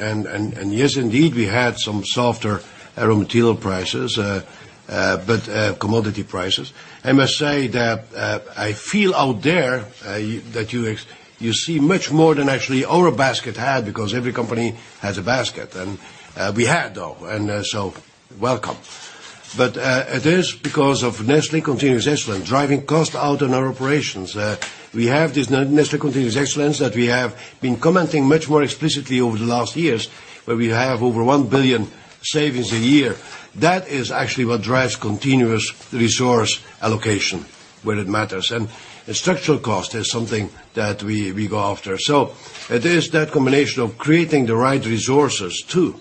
Yes, indeed, we had some softer raw material prices, but commodity prices. I must say that I feel out there that you see much more than actually our basket had, because every company has a basket. We had though, and so welcome. It is because of Nestlé Continuous Excellence, driving cost out in our operations. We have this Nestlé Continuous Excellence that we have been commenting much more explicitly over the last years, where we have over 1 billion savings a year. That is actually what drives continuous resource allocation where it matters. Structural cost is something that we go after. It is that combination of creating the right resources too.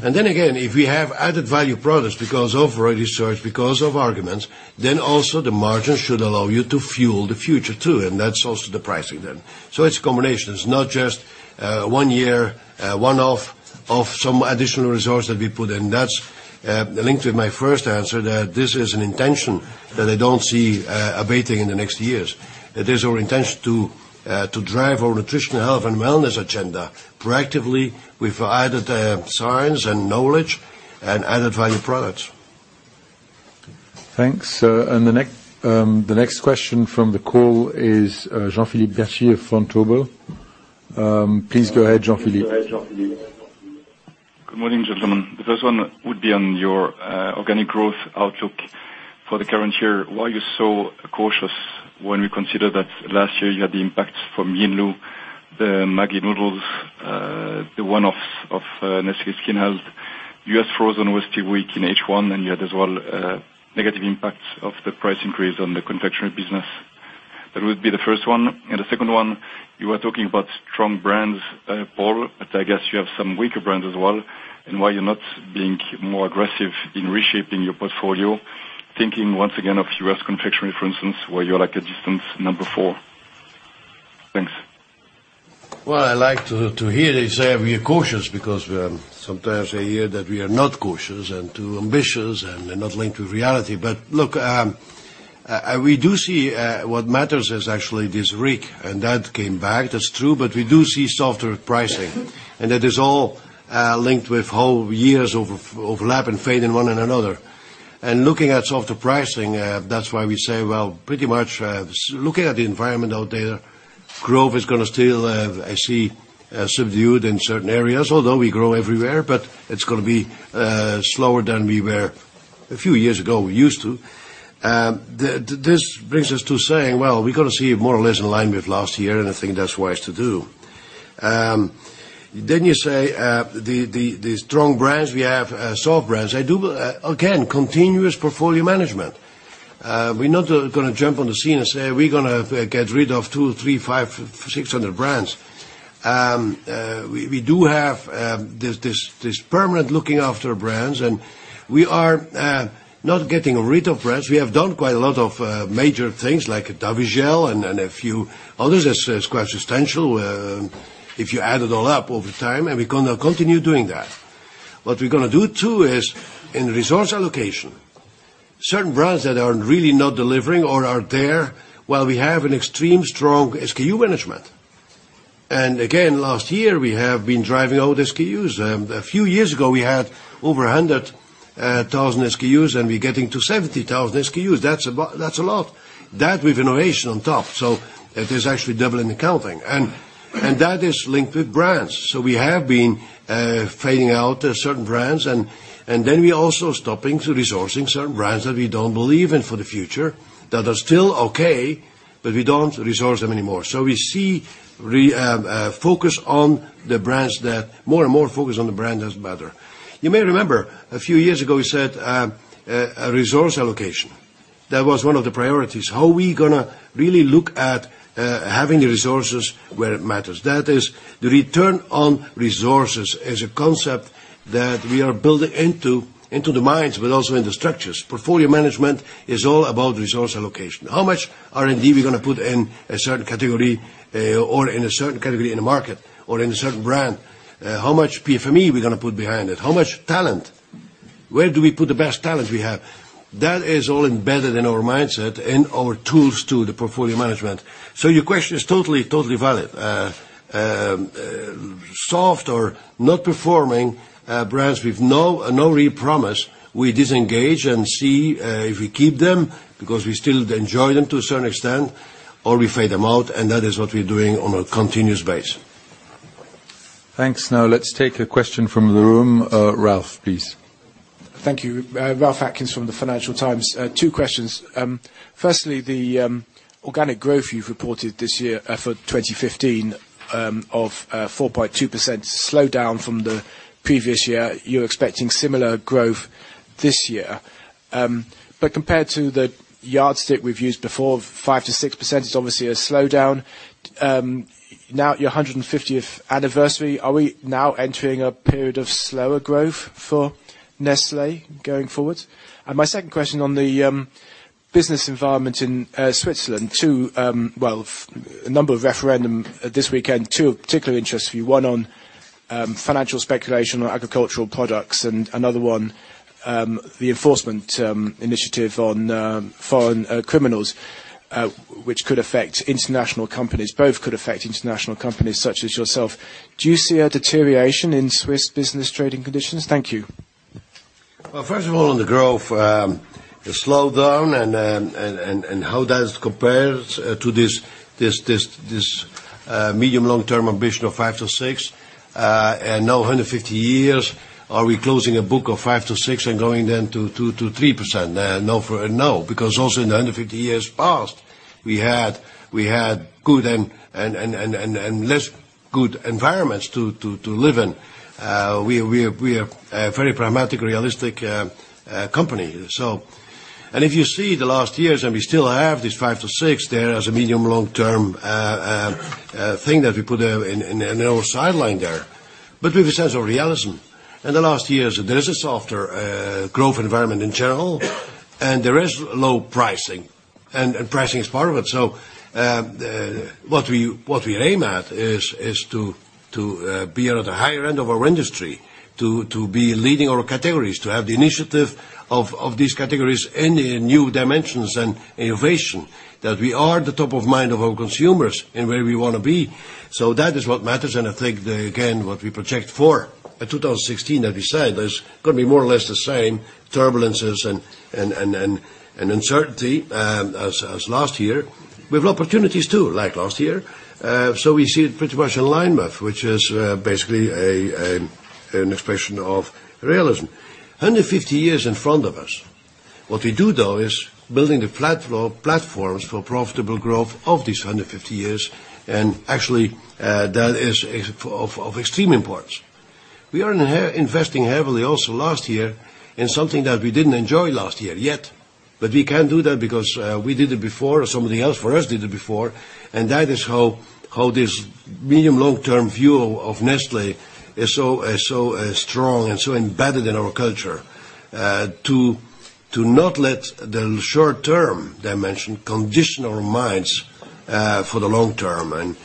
Then again, if we have added value products because of research, because of arguments, then also the margin should allow you to fuel the future too. That's also the pricing then. It's a combination. It's not just one-year, one-off of some additional resource that we put in. That's linked with my first answer, that this is an intention that I don't see abating in the next years. It is our intention to drive our nutritional health and wellness agenda proactively with added science and knowledge and added value products. Thanks. The next question from the call is Jean-Philippe Bertschy from Vontobel. Please go ahead, Jean-Philippe. Good morning, gentlemen. The first one would be on your organic growth outlook for the current year. Why are you so cautious when we consider that last year you had the impact from Yinlu, the Maggi noodles, the one-off of Nestlé Skin Health? U.S. frozen was pretty weak in H1, you had as well negative impacts of the price increase on the confectionery business. That would be the first one. The second one, you were talking about strong brands, Paul, but I guess you have some weaker brands as well, and why you're not being more aggressive in reshaping your portfolio. Thinking once again of U.S. confectionery, for instance, where you're like a distant number 4. Thanks. Well, I like to hear it say we are cautious because sometimes I hear that we are not cautious and too ambitious and not linked with reality. Look, we do see what matters is actually this RIG, that came back. That's true, we do see softer pricing, that is all linked with whole years of lap and fade in one another. Looking at softer pricing, that's why we say, well, pretty much looking at the environment out there, growth is going to still, I see subdued in certain areas, although we grow everywhere. It's going to be slower than we were a few years ago we used to. This brings us to saying, well, we got to see more or less in line with last year, and I think that's wise to do. You say the strong brands, we have soft brands. Again, continuous portfolio management. We're not going to jump on the scene and say we're going to get rid of 200, 300, 500, 600 brands. We do have this permanent looking after brands, and we are not getting rid of brands. We have done quite a lot of major things like Davigel and a few others that's quite substantial, if you add it all up over time, and we're going to continue doing that. What we're going to do, too, is in resource allocation, certain brands that are really not delivering or are there while we have an extreme strong SKU management. Again, last year, we have been driving out SKUs. A few years ago, we had over 100,000 SKUs, and we're getting to 70,000 SKUs. That's a lot. That with innovation on top. It is actually double in accounting, and that is linked with brands. We have been fading out certain brands, and then we're also stopping resourcing certain brands that we don't believe in for the future that are still okay, but we don't resource them anymore. We see focus on the brands that more and more focus on the brand that matter. You may remember a few years ago, we said resource allocation. That was one of the priorities. How are we going to really look at having the resources where it matters? That is the return on resources is a concept that we are building into the minds, but also in the structures. Portfolio management is all about resource allocation. How much R&D we're going to put in a certain category or in a certain category in the market or in a certain brand? How much PFME we're going to put behind it? How much talent? Where do we put the best talent we have? That is all embedded in our mindset and our tools to the portfolio management. Your question is totally valid. Soft or not performing brands with no real promise, we disengage and see if we keep them, because we still enjoy them to a certain extent, or we fade them out, and that is what we're doing on a continuous basis. Thanks. Now let's take a question from the room. Ralph, please. Thank you. Ralph Atkins from the Financial Times. Two questions. Firstly, the organic growth you've reported this year for 2015 of 4.2% slowdown from the previous year, you're expecting similar growth this year. Compared to the yardstick we've used before of 5%-6%, it's obviously a slowdown. At your 150th anniversary, are we now entering a period of slower growth for Nestlé going forward? My second question on the business environment in Switzerland too. A number of referendum this weekend, two of particular interest for you. One on financial speculation on agricultural products and another one the enforcement initiative on foreign criminals, which could affect international companies. Both could affect international companies such as yourself. Do you see a deterioration in Swiss business trading conditions? Thank you. First of all, on the growth, the slowdown and how that compares to this medium, long-term ambition of 5%-6%. Now 150 years, are we closing a book of 5%-6% and going then to 2%-3%? No, because also in the 150 years past, we had good and less good environments to live in. We are a very pragmatic, realistic company. If you see the last years, and we still have this 5%-6% there as a medium, long-term thing that we put in our sideline there, but with a sense of realism. In the last years, there is a softer growth environment in general, and there is low pricing, and pricing is part of it. What we aim at is to be at the higher end of our industry, to be leading our categories, to have the initiative of these categories in new dimensions and innovation. That we are at the top of mind of our consumers and where we want to be. That is what matters, and I think there again, what we project for 2016, as we said, there's going to be more or less the same turbulences and uncertainty as last year. We have opportunities too, like last year. We see it pretty much in line with, which is basically an expression of realism. 150 years in front of us. What we do though is building the platforms for profitable growth of these 150 years, and actually, that is of extreme importance. We are investing heavily also last year in something that we didn't enjoy last year yet, but we can do that because we did it before or somebody else for us did it before, and that is how this medium, long-term view of Nestlé is so strong and so embedded in our culture. To not let the short-term dimension condition our minds for the long-term.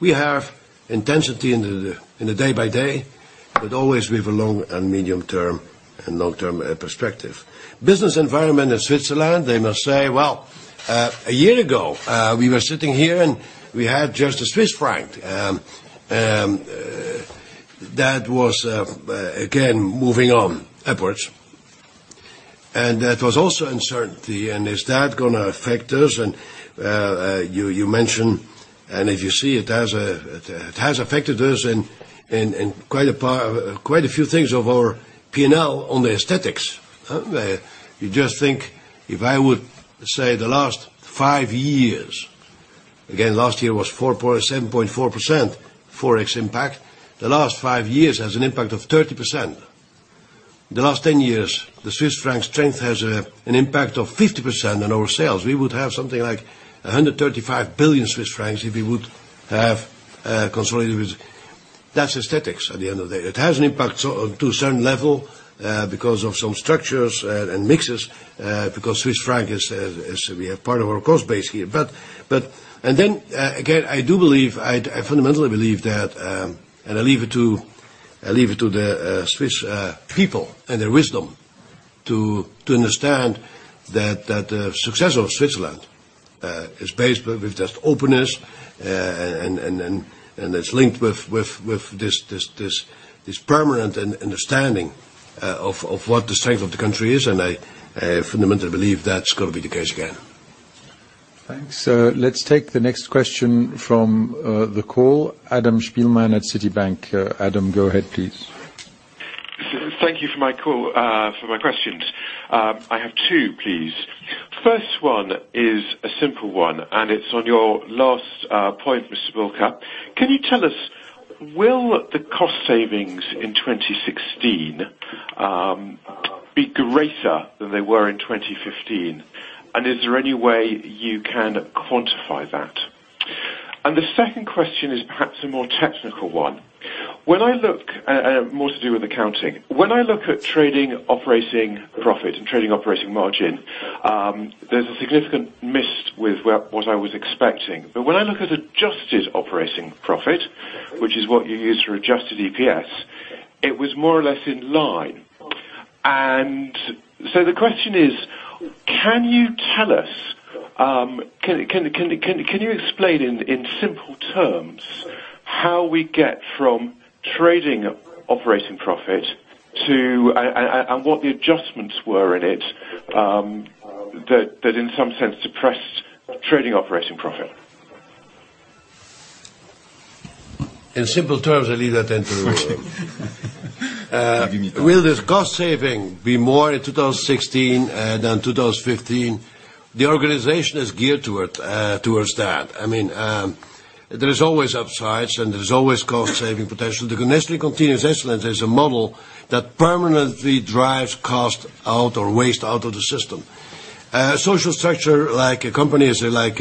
We have intensity in the day by day, but always with a long and medium-term and long-term perspective. Business environment in Switzerland, I must say, a year ago, we were sitting here, and we had just the Swiss franc. That was, again, moving on upwards. That was also uncertainty, and is that going to affect us? You mention, if you see, it has affected us in quite a few things of our P&L on the aesthetics. You just think if I would say the last five years, again, last year was 7.4% ForEx impact. The last five years has an impact of 30%. The last 10 years, the Swiss franc strength has an impact of 50% on our sales. We would have something like 135 billion Swiss francs if we would have consolidated with That's aesthetics at the end of the day. It has an impact to a certain level because of some structures and mixes, because Swiss franc is part of our cost base here. Then, again, I fundamentally believe that, and I leave it to the Swiss people and their wisdom to understand that the success of Switzerland is based with just openness, and it's linked with this permanent understanding of what the strength of the country is, and I fundamentally believe that's going to be the case again. Thanks. Let's take the next question from the call. Adam Spielman at Citi. Adam, go ahead, please. Thank you for my call, for my questions. I have two, please. First one is a simple one, and it's on your last point, Mr. Bulcke. Can you tell us, will the cost savings in 2016 be greater than they were in 2015? Is there any way you can quantify that? The second question is perhaps a more technical one. More to do with accounting. When I look at trading operating profit and trading operating margin. There's a significant miss with what I was expecting. When I look at adjusted operating profit, which is what you use for adjusted EPS, it was more or less in line. The question is, can you explain in simple terms how we get from trading operating profit and what the adjustments were in it that in some sense suppressed trading operating profit? In simple terms, I leave that then to Give me time. Will this cost saving be more in 2016 than 2015? The organization is geared towards that. There's always upsides and there's always cost-saving potential. The Nestlé Continuous Excellence is a model that permanently drives cost out or waste out of the system. Social structure like a company is like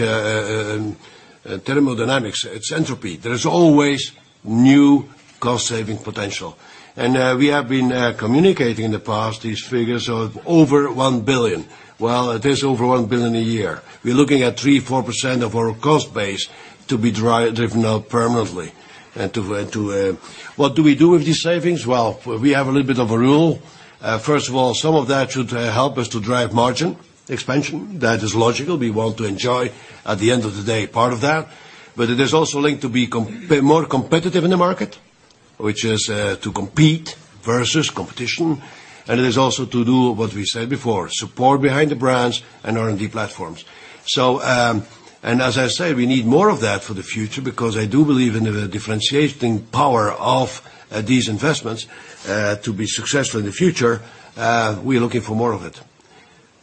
thermodynamics. It's entropy. There is always new cost-saving potential. We have been communicating in the past these figures of over 1 billion. It is over 1 billion a year. We're looking at 3%-4% of our cost base to be driven out permanently. What do we do with these savings? We have a little bit of a rule. First of all, some of that should help us to drive margin expansion. That is logical. We want to enjoy, at the end of the day, part of that. It is also linked to be more competitive in the market, which is to compete versus competition. It is also to do what we said before, support behind the brands and R&D platforms. As I said, we need more of that for the future because I do believe in the differentiating power of these investments to be successful in the future. We are looking for more of it.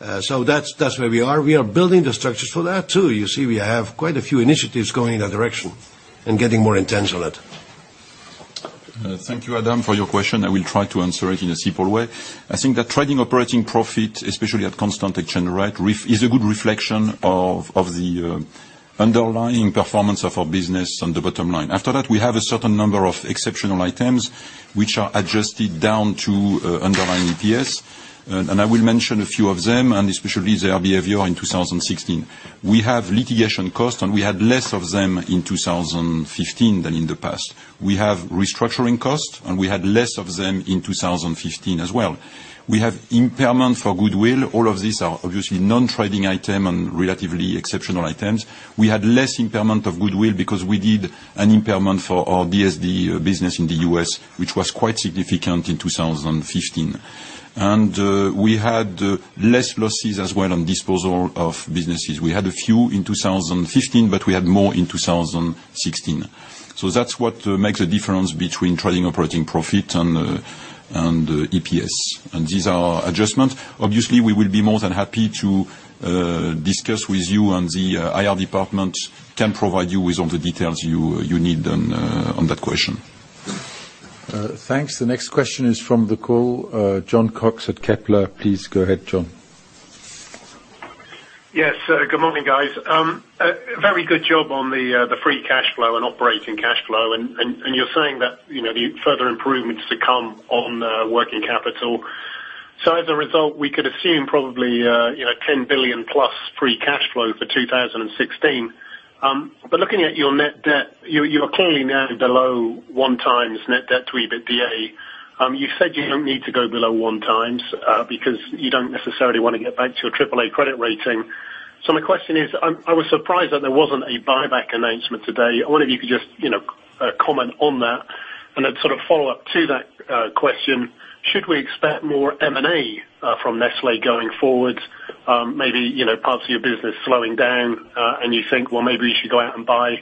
That's where we are. We are building the structures for that too. You see, we have quite a few initiatives going in that direction and getting more intense on it. Thank you, Adam, for your question. I will try to answer it in a simple way. I think that trading operating profit, especially at constant exchange rate, is a good reflection of the underlying performance of our business on the bottom line. After that, we have a certain number of exceptional items which are adjusted down to underlying EPS. I will mention a few of them, and especially their behavior in 2016. We have litigation costs. We had less of them in 2015 than in the past. We have restructuring costs. We had less of them in 2015 as well. We have impairment for goodwill. All of these are obviously non-trading item and relatively exceptional items. We had less impairment of goodwill because we did an impairment for our DSD business in the U.S., which was quite significant in 2015. We had less losses as well on disposal of businesses. We had a few in 2015. We had more in 2016. That's what makes a difference between trading operating profit and EPS. These are adjustments. Obviously, we will be more than happy to discuss with you. The IR department can provide you with all the details you need on that question. Thanks. The next question is from the call, Jon Cox at Kepler. Please go ahead, Jon. Yes. Good morning, guys. Very good job on the free cash flow and operating cash flow. You're saying that the further improvements to come on working capital. As a result, we could assume probably 10 billion+ free cash flow for 2016. Looking at your net debt, you are clearly now below one times net debt to EBITDA. You said you don't need to go below one times because you don't necessarily want to get back to a AAA credit rating. My question is, I was surprised that there wasn't a buyback announcement today. I wonder if you could just comment on that. Then sort of follow up to that question, should we expect more M&A from Nestlé going forward? Maybe parts of your business slowing down and you think, well, maybe you should go out and buy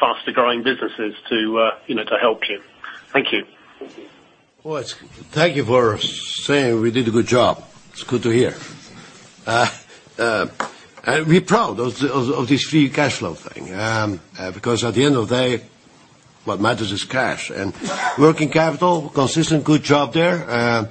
faster growing businesses to help you. Thank you. Well, thank you for saying we did a good job. It's good to hear. We're proud of this free cash flow thing, because at the end of the day, what matters is cash. Working capital, consistent good job there.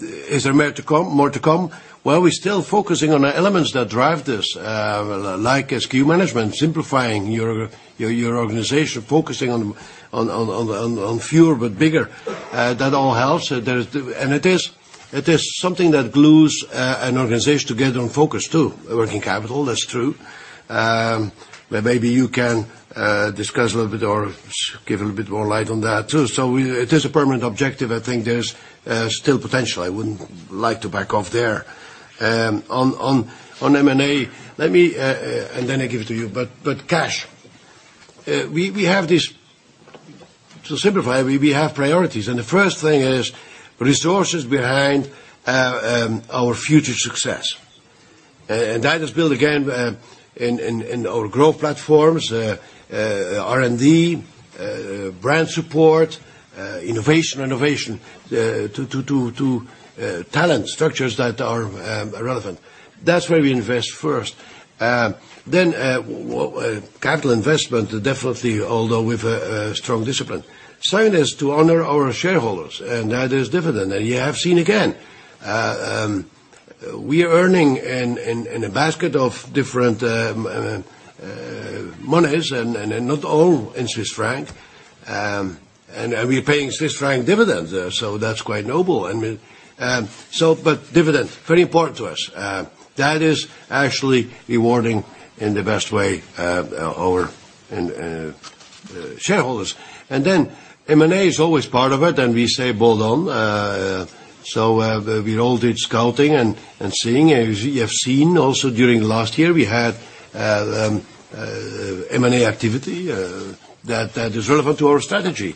Is there more to come? Well, we're still focusing on elements that drive this, like SKU management, simplifying your organization, focusing on fewer but bigger. That all helps. It is something that glues an organization together and focus, too, working capital. That's true. Maybe you can discuss a little bit or give a little bit more light on that, too. It is a permanent objective. I think there's still potential. I wouldn't like to back off there. On M&A, then I give it to you, but cash. To simplify, we have priorities, the first thing is resources behind our future success. That is built again in our growth platforms, R&D, brand support, innovation to talent structures that are relevant. That's where we invest first. Capital investment, definitely, although with a strong discipline. Second is to honor our shareholders, and that is dividend. You have seen again, we are earning in a basket of different monies, and not all in CHF. We're paying CHF dividends, so that's quite noble. Dividend, very important to us. That is actually rewarding in the best way our shareholders. M&A is always part of it, and we say bold on. We all did scouting and seeing. As you have seen also during last year, we had M&A activity that is relevant to our strategy.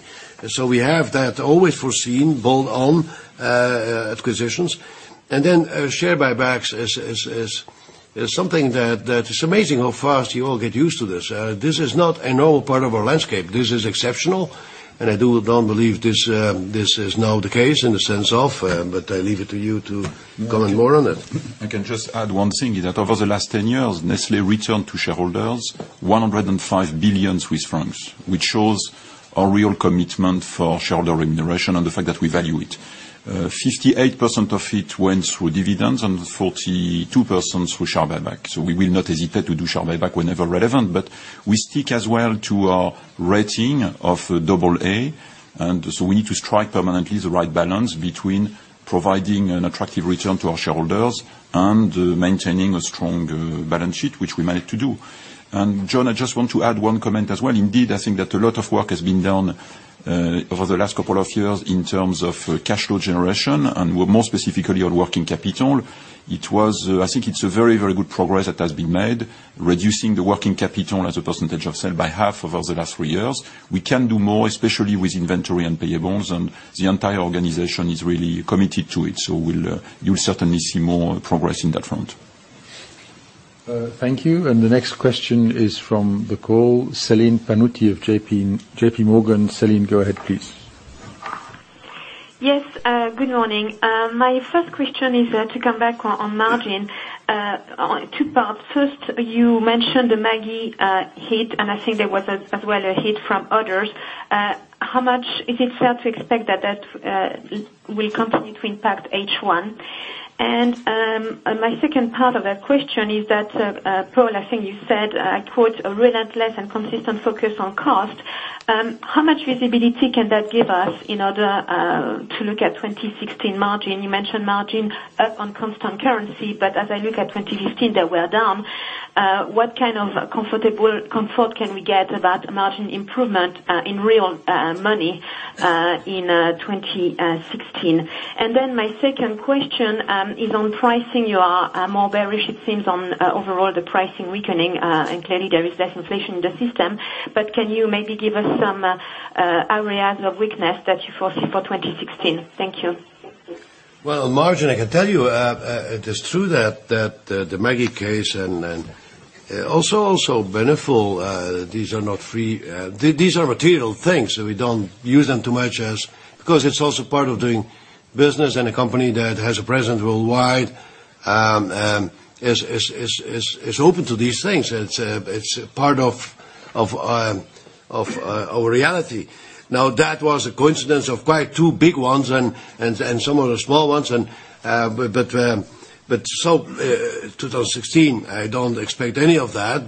We have that always foreseen, bold on acquisitions. Share buybacks is something that is amazing how fast you all get used to this. This is not a normal part of our landscape. This is exceptional, I don't believe this is now the case in the sense of, I leave it to you to comment more on it. I can just add one thing, is that over the last 10 years, Nestlé returned to shareholders 105 billion Swiss francs, which shows a real commitment for shareholder remuneration and the fact that we value it. 58% of it went through dividends and 42% through share buyback. We will not hesitate to do share buyback whenever relevant, but we stick as well to our rating of AA. We need to strike permanently the right balance between providing an attractive return to our shareholders and maintaining a strong balance sheet, which we managed to do. Jon, I just want to add one comment as well. Indeed, I think that a lot of work has been done over the last couple of years in terms of cash flow generation, and more specifically on working capital. I think it's a very, very good progress that has been made, reducing the working capital as a percentage of sale by half over the last three years. We can do more, especially with inventory and payables, and the entire organization is really committed to it. You'll certainly see more progress in that front. Thank you. The next question is from the call, Celine Pannuti of J.P. Morgan. Celine, go ahead, please. Yes, good morning. My first question is to come back on margin. Two parts. First, you mentioned the Maggi hit, and I think there was as well a hit from others. How much is it fair to expect that that will continue to impact H1? My second part of that question is that, Paul, I think you said, "A relentless and consistent focus on cost." How much visibility can that give us in order to look at 2016 margin? You mentioned margin up on constant currency, but as I look at 2015, that we are down. What kind of comfort can we get about margin improvement, in real money, in 2016? My second question is on pricing. You are more bearish, it seems, on overall the pricing weakening. Clearly there is less inflation in the system. Can you maybe give us some areas of weakness that you foresee for 2016? Thank you. Well, margin, I can tell you it is true that the Maggi case and also Beneful, these are not free. These are material things, so we don't use them too much as-- Because it's also part of doing business and a company that has a presence worldwide is open to these things. It's part of our reality. Now, that was a coincidence of quite two big ones and some of the small ones. 2016, I don't expect any of that.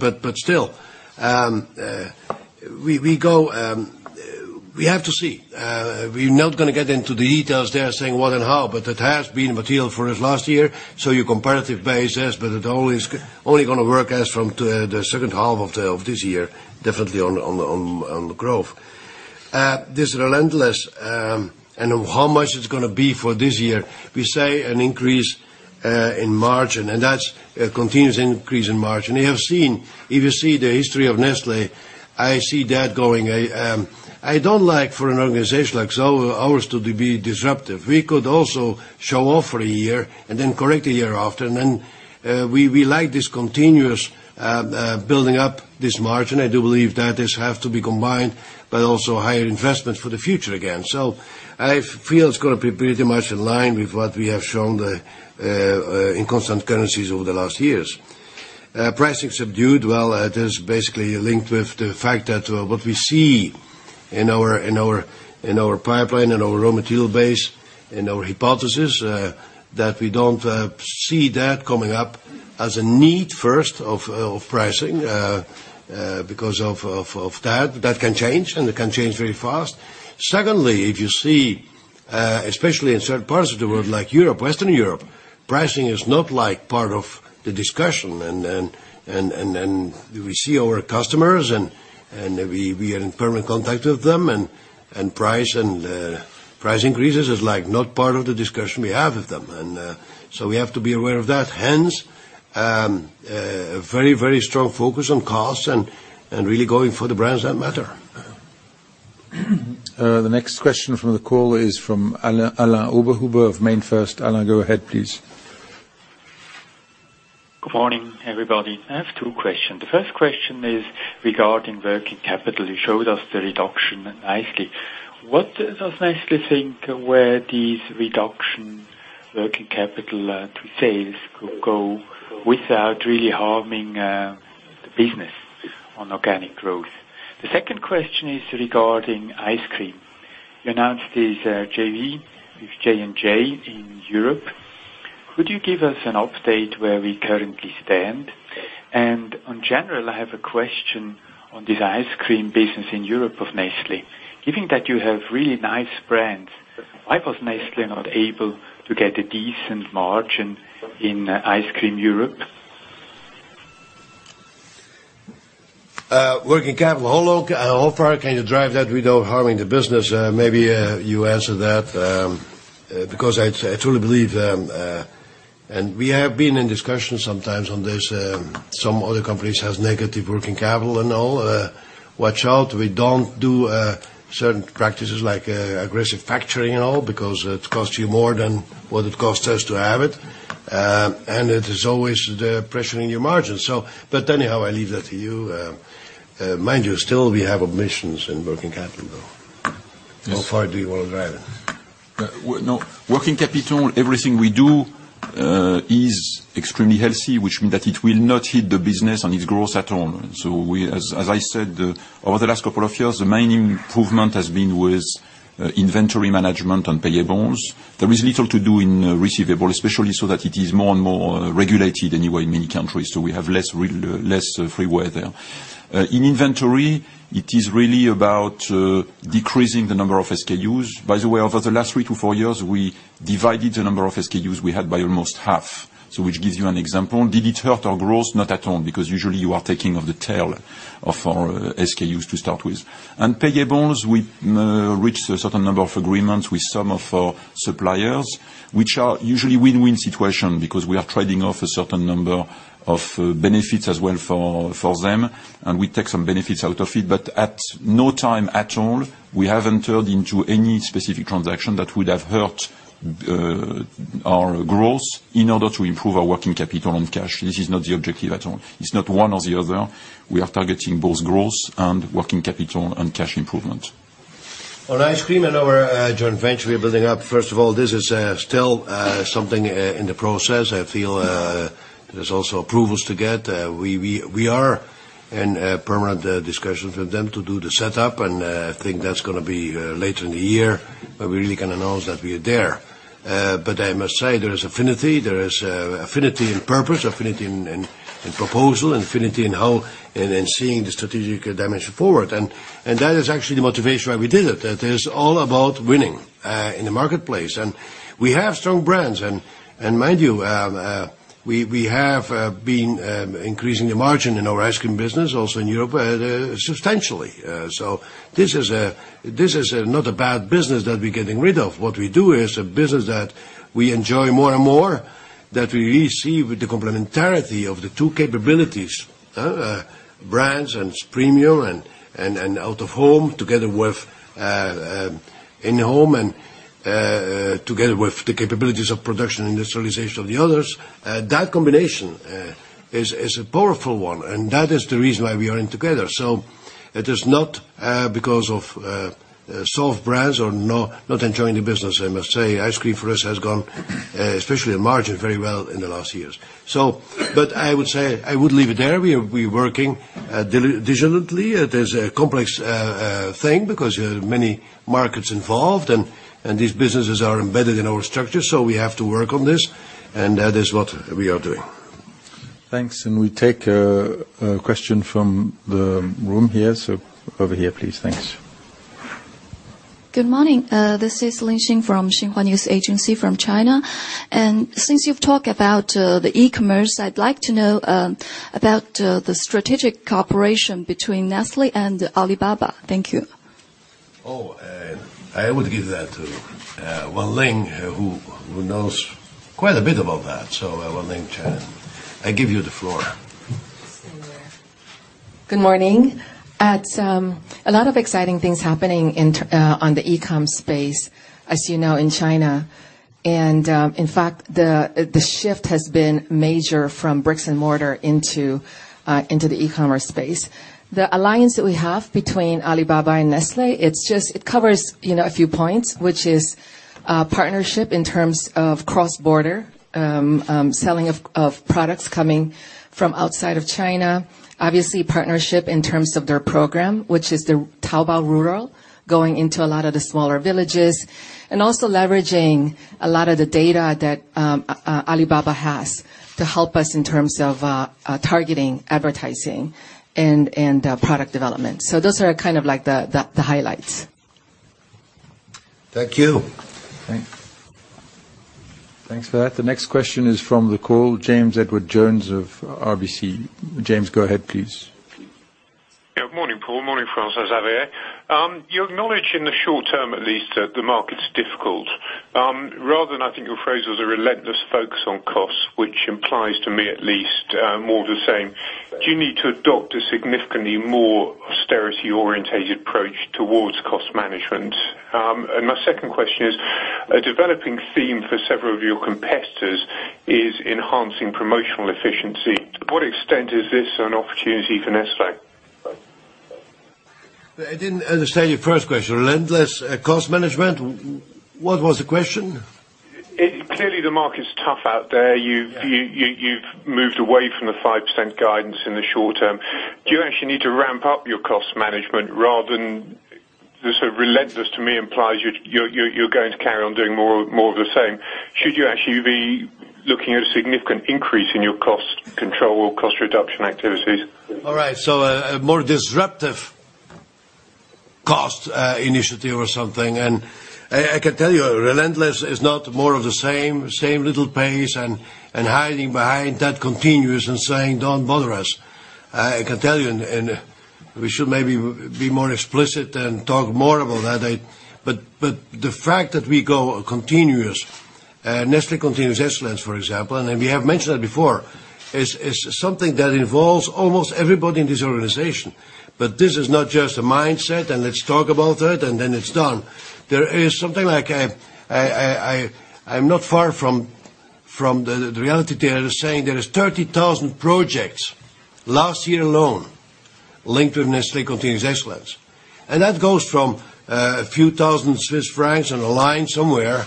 We have to see. We're not going to get into the details there saying what and how, but it has been material for us last year, so your comparative base is, but it only going to work as from the second half of this year, definitely on growth. This relentless and how much it's going to be for this year, we say an increase in margin, and that's a continuous increase in margin. If you see the history of Nestlé, I see that going. I don't like for an organization like ours to be disruptive. We could also show off for a year and then correct a year after. We like this continuous building up this margin. I do believe that this have to be combined, also higher investment for the future again. I feel it's going to be pretty much in line with what we have shown in constant currencies over the last years. Pricing subdued, well, it is basically linked with the fact that what we see in our pipeline, in our raw material base, in our hypothesis, that we don't see that coming up as a need first of pricing because of that. That can change, and it can change very fast. Secondly, if you see, especially in certain parts of the world like Europe, Western Europe, pricing is not part of the discussion. We see our customers, and we are in permanent contact with them, and price increases is not part of the discussion we have with them. We have to be aware of that. Hence very, very strong focus on costs and really going for the brands that matter. The next question from the call is from Alain Oberhuber of MainFirst. Alain, go ahead please. Good morning, everybody. I have two question. The first question is regarding working capital. You showed us the reduction nicely. What does Nestlé think where these reduction working capital to sales could go without really harming the business on organic growth? The second question is regarding ice cream. You announced this JV with R&R in Europe Could you give us an update where we currently stand? In general, I have a question on this ice cream business in Europe of Nestlé. Given that you have really nice brands, why was Nestlé not able to get a decent margin in ice cream Europe? Working capital. How far can you drive that without harming the business? Maybe you answer that, because I truly believe, and we have been in discussions sometimes on this, some other companies has negative working capital and all. Watch out, we don't do certain practices like aggressive factoring and all, because it costs you more than what it costs us to have it. It is always pressuring your margins. Anyhow, I leave that to you. Mind you, still, we have ambitions in working capital, though. How far do you want to drive it? No, working capital, everything we do is extremely healthy, which means that it will not hit the business on its growth at all. As I said, over the last couple of years, the main improvement has been with inventory management and payables. There is little to do in receivables, especially so that it is more and more regulated anyway in many countries, so we have less freeway there. In inventory, it is really about decreasing the number of SKUs. By the way, over the last three to four years, we divided the number of SKUs we had by almost half. Which gives you an example. Did it hurt our growth? Not at all, because usually you are taking of the tail of our SKUs to start with. Payables, we reached a certain number of agreements with some of our suppliers, which are usually win-win situation because we are trading off a certain number of benefits as well for them, and we take some benefits out of it. At no time at all, we haven't entered into any specific transaction that would have hurt our growth in order to improve our working capital and cash. This is not the objective at all. It's not one or the other. We are targeting both growth and working capital and cash improvement. On ice cream and our joint venture we are building up, first of all, this is still something in the process. I feel there's also approvals to get. We are in permanent discussions with them to do the setup. I think that's going to be later in the year where we really can announce that we are there. I must say, there is affinity. There is affinity in purpose, affinity in proposal, and affinity in seeing the strategic dimension forward. That is actually the motivation why we did it. That it is all about winning in the marketplace. We have strong brands. Mind you, we have been increasing the margin in our ice cream business also in Europe substantially. This is not a bad business that we're getting rid of. What we do is a business that we enjoy more and more, that we really see with the complementarity of the two capabilities, brands and premium and out of home, together with in home and together with the capabilities of production and industrialization of the others. That combination is a powerful one. That is the reason why we are in together. It is not because of soft brands or not enjoying the business, I must say. Ice cream for us has gone, especially in margin, very well in the last years. I would leave it there. We are working diligently. It is a complex thing because you have many markets involved. These businesses are embedded in our structure, so we have to work on this. That is what we are doing. Thanks. We take a question from the room here. Over here, please. Thanks. Good morning. This is Lin Xin from Xinhua News Agency from China. Since you've talked about the e-commerce, I'd like to know about the strategic cooperation between Nestlé and Alibaba. Thank you. Oh, I would give that to Wan ling, who knows quite a bit about that. Wan ling-China, I give you the floor. Stand there. Good morning. A lot of exciting things happening on the e-com space, as you know, in China. In fact, the shift has been major from bricks and mortar into the e-commerce space. The alliance that we have between Alibaba and Nestlé, it covers a few points, which is partnership in terms of cross-border selling of products coming from outside of China. Obviously, partnership in terms of their program, which is the Rural Taobao, going into a lot of the smaller villages. Also leveraging a lot of the data that Alibaba has to help us in terms of targeting advertising and product development. Those are kind of like the highlights. Thank you. Thanks. Thanks for that. The next question is from the call, James Edwardes Jones of RBC. James, go ahead, please. Morning, Paul. Morning, François-Xavier. You acknowledge in the short term, at least, the market's difficult. Rather than, I think your phrase was, a relentless focus on costs, which implies to me at least more of the same, do you need to adopt a significantly more austerity-orientated approach towards cost management? My second question is, a developing theme for several of your competitors is enhancing promotional efficiency. To what extent is this an opportunity for Nestlé? I didn't understand your first question. Relentless cost management? What was the question? Clearly the market's tough out there. You've moved away from the 5% guidance in the short term. Do you actually need to ramp up your cost management rather than the sort of relentless to me implies you're going to carry on doing more of the same? Should you actually be looking at a significant increase in your cost control or cost reduction activities? All right. A more disruptive cost initiative or something. I can tell you, relentless is not more of the same little pace and hiding behind that continuous and saying, "Don't bother us." I can tell you, we should maybe be more explicit and talk more about that. The fact that we go continuous, Nestlé Continuous Excellence, for example, and we have mentioned that before, is something that involves almost everybody in this organization. This is not just a mindset, and let's talk about it, and then it's done. There is something like, I'm not far from the reality there that saying there is 30,000 projects last year alone linked with Nestlé Continuous Excellence. That goes from a few thousand CHF on a line somewhere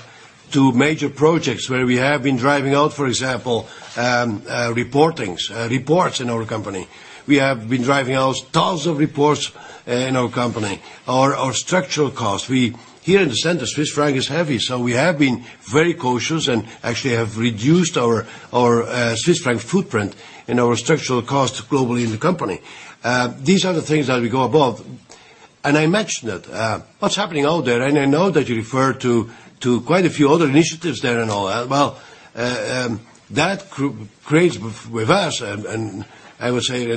to major projects where we have been driving out, for example, reportings, reports in our company. We have been driving out thousands of reports in our company. Our structural costs, here in the center, CHF is heavy, so we have been very cautious and actually have reduced our CHF footprint and our structural costs globally in the company. These are the things that we go above. I mentioned it, what's happening out there, and I know that you referred to quite a few other initiatives there and all. That creates with us, and I would say, a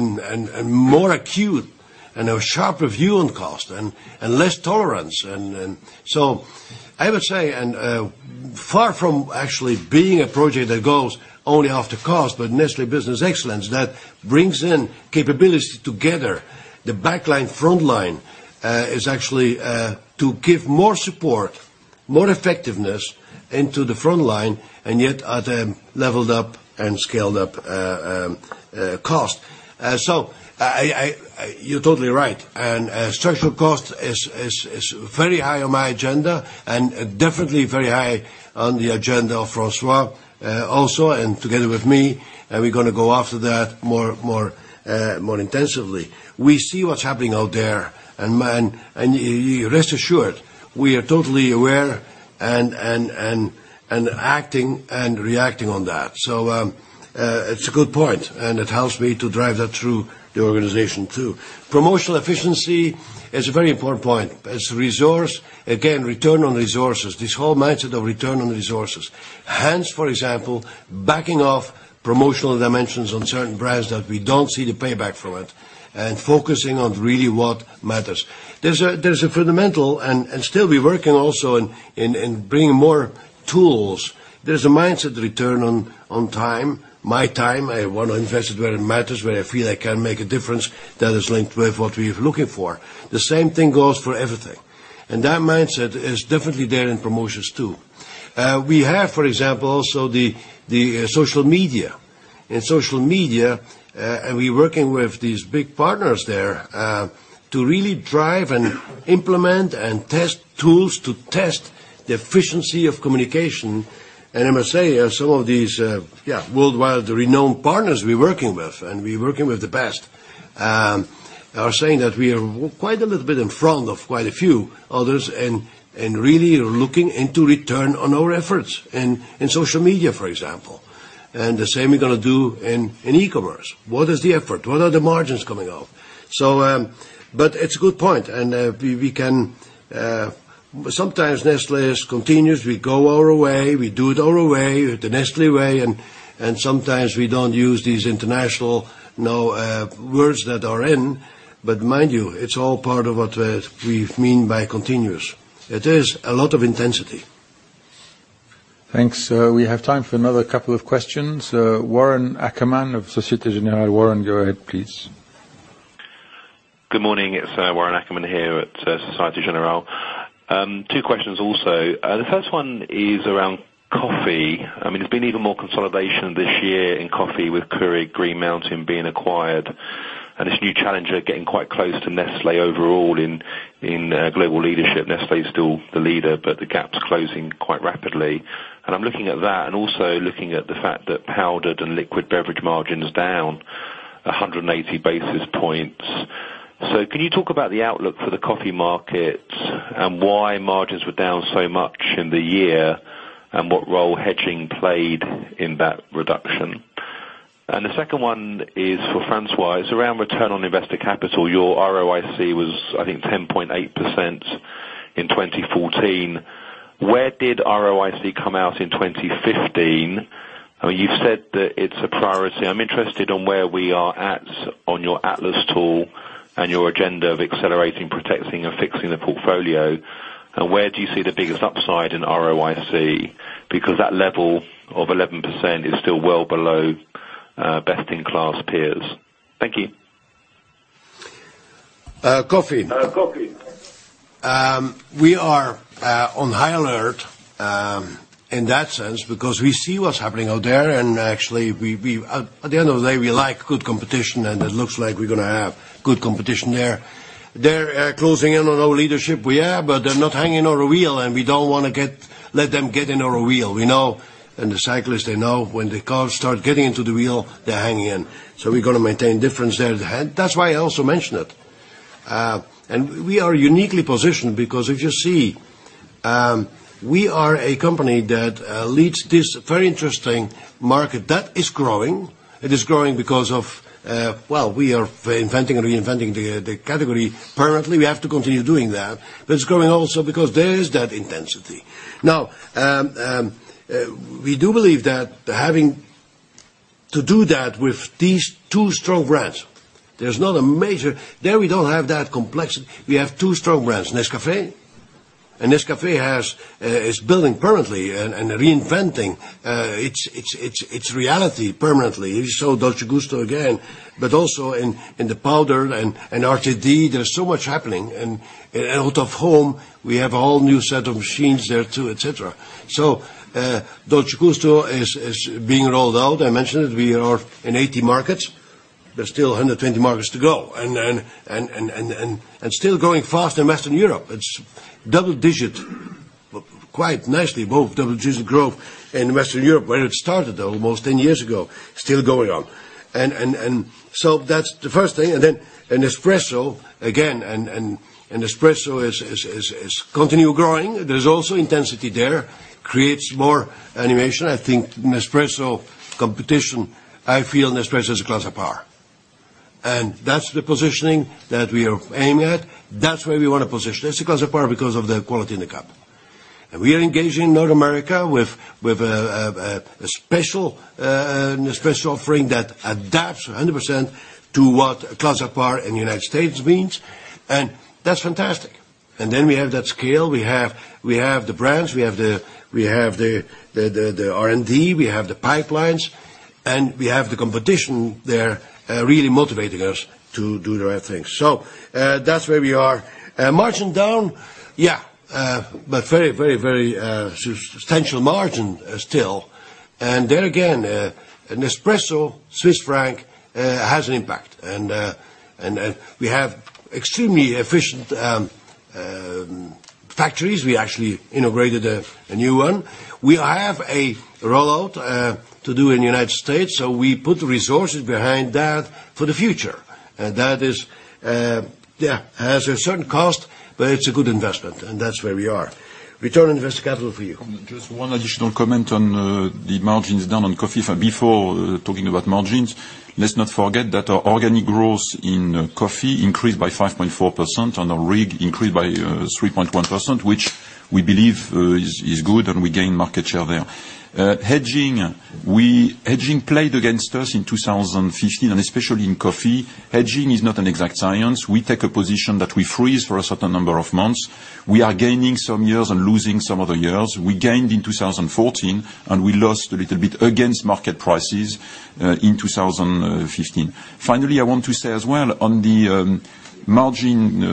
more acute and a sharper view on cost and less tolerance. I would say, and far from actually being a project that goes only after cost, but Nestlé Business Excellence, that brings in capabilities together. The back line, front line is actually to give more support, more effectiveness into the front line, and yet at a leveled up and scaled up cost. You're totally right. Structural cost is very high on my agenda and definitely very high on the agenda of François also. Together with me, we're going to go after that more intensively. We see what's happening out there. Rest assured, we are totally aware and acting and reacting on that. It's a good point, and it helps me to drive that through the organization too. Promotional efficiency is a very important point. As a resource, again, return on resources, this whole mindset of return on resources. Hence, for example, backing off promotional dimensions on certain brands that we don't see the payback from it, and focusing on really what matters. There's a fundamental, and still we're working also in bringing more tools. There's a mindset return on time, my time. I want to invest it where it matters, where I feel I can make a difference that is linked with what we are looking for. The same thing goes for everything. That mindset is definitely there in promotions too. We have, for example also, the social media. In social media, and we're working with these big partners there, to really drive and implement and test tools to test the efficiency of communication. I must say, some of these worldwide renown partners we're working with, and we're working with the best, are saying that we are quite a little bit in front of quite a few others and really are looking into return on our efforts in social media, for example. The same we're going to do in e-commerce. What is the effort? What are the margins coming out? It's a good point. Sometimes Nestlé is continuous. We go our way. We do it our way, the Nestlé way, and sometimes we don't use these international words that are in. Mind you, it's all part of what we mean by continuous. It is a lot of intensity. Thanks. We have time for another couple of questions. Warren Ackerman of Société Générale. Warren, go ahead, please. Good morning. It's Warren Ackerman here at Société Générale. Two questions also. The first one is around coffee. There's been even more consolidation this year in coffee with Keurig Green Mountain being acquired, and this new challenger getting quite close to Nestlé overall in global leadership. Nestlé is still the leader, but the gap's closing quite rapidly. I'm looking at that and also looking at the fact that powdered and liquid beverage margin is down 180 basis points. Can you talk about the outlook for the coffee market and why margins were down so much in the year, and what role hedging played in that reduction? The second one is for François. It's around return on invested capital. Your ROIC was, I think, 10.8% in 2014. Where did ROIC come out in 2015? You've said that it's a priority. I'm interested on where we are at on your Atlas tool and your agenda of accelerating, protecting, and fixing the portfolio. Where do you see the biggest upside in ROIC? Because that level of 11% is still well below best-in-class peers. Thank you. Coffee. Coffee. We are on high alert in that sense because we see what's happening out there, and actually, at the end of the day, we like good competition, and it looks like we're going to have good competition there. They're closing in on our leadership, yeah, but they're not hanging on our wheel, and we don't want to let them get in our wheel. The cyclists, they know when the cars start getting into the wheel, they hang in. We're going to maintain difference there. That's why I also mentioned it. We are uniquely positioned because if you see, we are a company that leads this very interesting market that is growing. It is growing because of, well, we are inventing and reinventing the category permanently. We have to continue doing that, but it's growing also because there is that intensity. We do believe that having to do that with these two strong brands, there is not a major. We don't have that complexity. We have two strong brands, Nescafé. Nescafé is building permanently and reinventing its reality permanently. If you saw Dolce Gusto again, but also in the powder and RTD, there's so much happening. Out of home, we have a whole new set of machines there too, et cetera. Dolce Gusto is being rolled out. I mentioned it. We are in 80 markets, but still 120 markets to go. Still growing fast in Western Europe. It's double digit, quite nicely, both double digit growth in Western Europe, where it started almost 10 years ago, still going on. That's the first thing. Nespresso, again, Nespresso is continue growing. There's also intensity there, creates more animation. I think Nespresso competition, I feel Nespresso is a class apart. That's the positioning that we are aiming at. That's where we want to position. It's a class apart because of the quality in the cup. We are engaging in North America with a special Nespresso offering that adapts 100% to what class apart in United States means. That's fantastic. We have that scale. We have the brands, we have the R&D, we have the pipelines, and we have the competition there, really motivating us to do the right things. That's where we are. Margin down, yeah. Very substantial margin still. There again, Nespresso, Swiss franc has an impact. We have extremely efficient factories. We actually integrated a new one. We have a rollout to do in the United States, so we put resources behind that for the future. That has a certain cost, but it's a good investment, and that's where we are. Return on invested capital for you. Just one additional comment on the margins down on coffee. Before talking about margins, let's not forget that our organic growth in coffee increased by 5.4% on a RIG increased by 3.1%, which we believe is good, and we gain market share there. Hedging played against us in 2015 and especially in coffee. Hedging is not an exact science. We take a position that we freeze for a certain number of months. We are gaining some years and losing some other years. We gained in 2014, and we lost a little bit against market prices in 2015. I want to say as well on the margin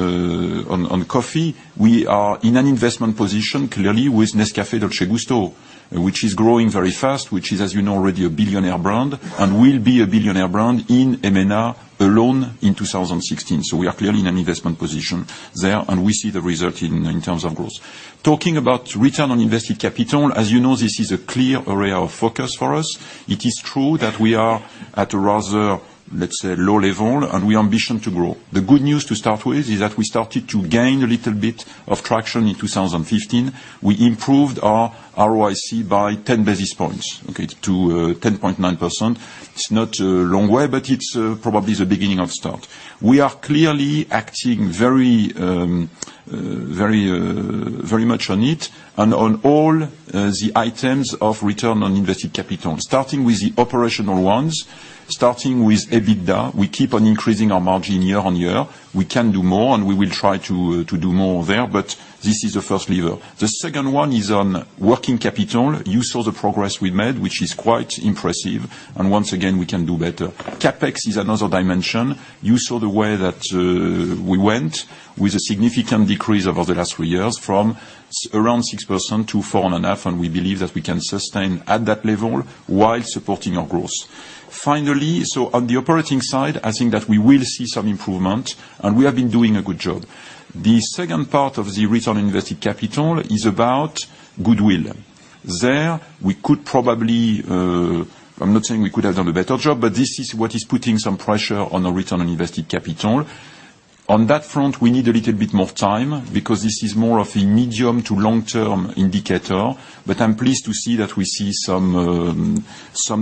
on coffee, we are in an investment position clearly with Nescafé Dolce Gusto, which is growing very fast, which is, as you know, already a billionaire brand and will be a billionaire brand in EMENA alone in 2016. We are clearly in an investment position there, and we see the result in terms of growth. Talking about return on invested capital, as you know, this is a clear area of focus for us. It is true that we are at a rather, let's say, low level and we ambition to grow. The good news to start with is that we started to gain a little bit of traction in 2015. We improved our ROIC by 10 basis points, okay, to 10.9%. It is not a long way, but it is probably the beginning of start. We are clearly acting very much on it and on all the items of return on invested capital, starting with the operational ones, starting with EBITDA. We keep on increasing our margin year on year. We can do more, and we will try to do more there, but this is the first lever. The second one is on working capital. You saw the progress we made, which is quite impressive. Once again, we can do better. CapEx is another dimension. You saw the way that we went with a significant decrease over the last three years from around 6% to 4.5%, and we believe that we can sustain at that level while supporting our growth. Finally, on the operating side, I think that we will see some improvement, and we have been doing a good job. The second part of the return on invested capital is about goodwill. There, I am not saying we could have done a better job, but this is what is putting some pressure on our return on invested capital. On that front, we need a little bit more time because this is more of a medium to long term indicator, but I am pleased to see that we see some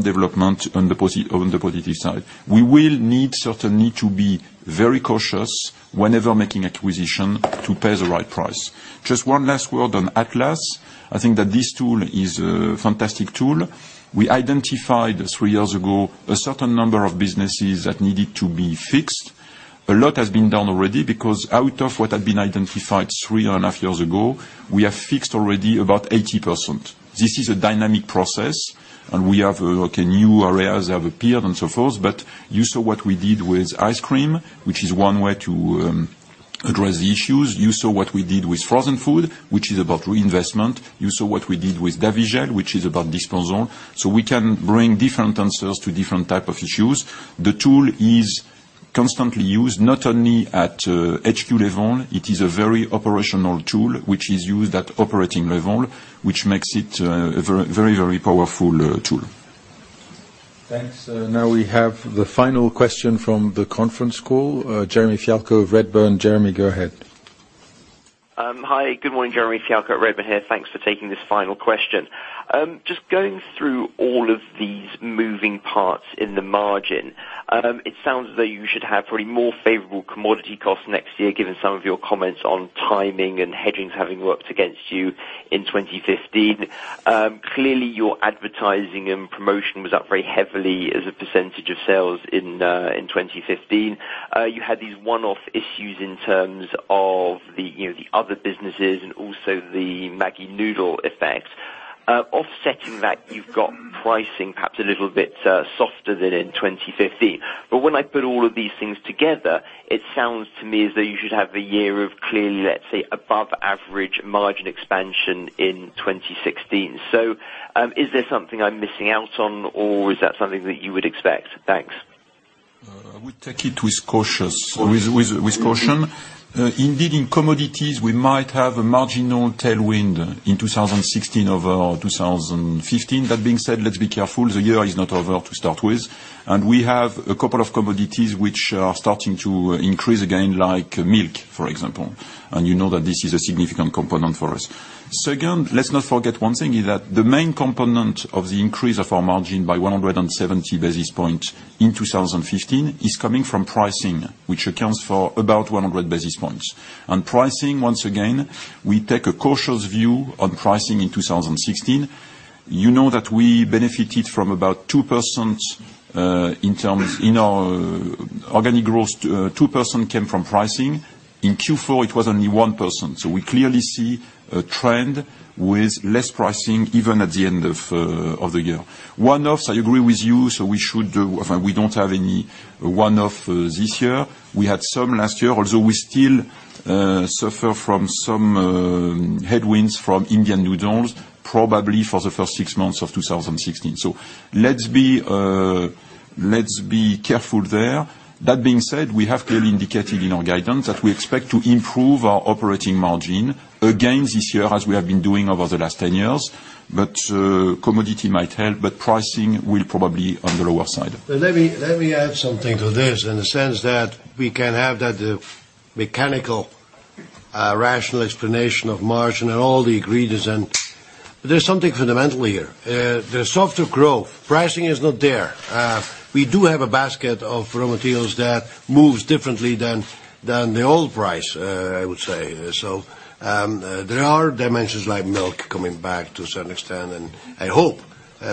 development on the positive side. We certainly need to be very cautious whenever making acquisition to pay the right price. Just one last word on Atlas. I think that this tool is a fantastic tool. We identified three years ago a certain number of businesses that needed to be fixed. A lot has been done already because out of what had been identified three and a half years ago, we have fixed already about 80%. This is a dynamic process, and we have new areas have appeared and so forth. You saw what we did with ice cream, which is one way to address the issues. You saw what we did with frozen food, which is about reinvestment. You saw what we did with Davigel, which is about disposal. We can bring different answers to different type of issues. The tool is constantly used, not only at HQ level. It is a very operational tool, which is used at operating level, which makes it a very powerful tool. Thanks. Now we have the final question from the conference call, Jeremy Fialko of Redburn. Jeremy, go ahead. Hi, good morning. Jeremy Fialko at Redburn here. Thanks for taking this final question. Just going through all of these moving parts in the margin, it sounds that you should have pretty more favorable commodity costs next year, given some of your comments on timing and hedging having worked against you in 2015. Clearly, your advertising and promotion was up very heavily as a percentage of sales in 2015. You had these one-off issues in terms of the other businesses and also the Maggi noodle effect. Offsetting that, you've got pricing perhaps a little bit softer than in 2015. When I put all of these things together, it sounds to me as though you should have a year of clearly, let's say, above average margin expansion in 2016. Is there something I'm missing out on, or is that something that you would expect? Thanks. I would take it with cautious- Caution with caution. Indeed, in commodities, we might have a marginal tailwind in 2016 over 2015. That being said, let's be careful, the year is not over to start with, we have a couple of commodities which are starting to increase again, like milk, for example. You know that this is a significant component for us. Second, let's not forget one thing, is that the main component of the increase of our margin by 170 basis points in 2015 is coming from pricing, which accounts for about 100 basis points. On pricing, once again, we take a cautious view on pricing in 2016. You know that we benefited from about 2% in our organic growth, 2% came from pricing. In Q4, it was only 1%. We clearly see a trend with less pricing even at the end of the year. One-offs, I agree with you, we don't have any one-off this year. We had some last year, although we still suffer from some headwinds from Indian noodles, probably for the first 6 months of 2016. Let's be careful there. That being said, we have clearly indicated in our guidance that we expect to improve our operating margin again this year, as we have been doing over the last 10 years. Commodity might help, but pricing will probably on the lower side. Let me add something to this in the sense that we can have that mechanical, rational explanation of margin and all the ingredients. There's something fundamental here. The softer growth, pricing is not there. We do have a basket of raw materials that moves differently than the old price, I would say. There are dimensions like milk coming back to a certain extent, and I hope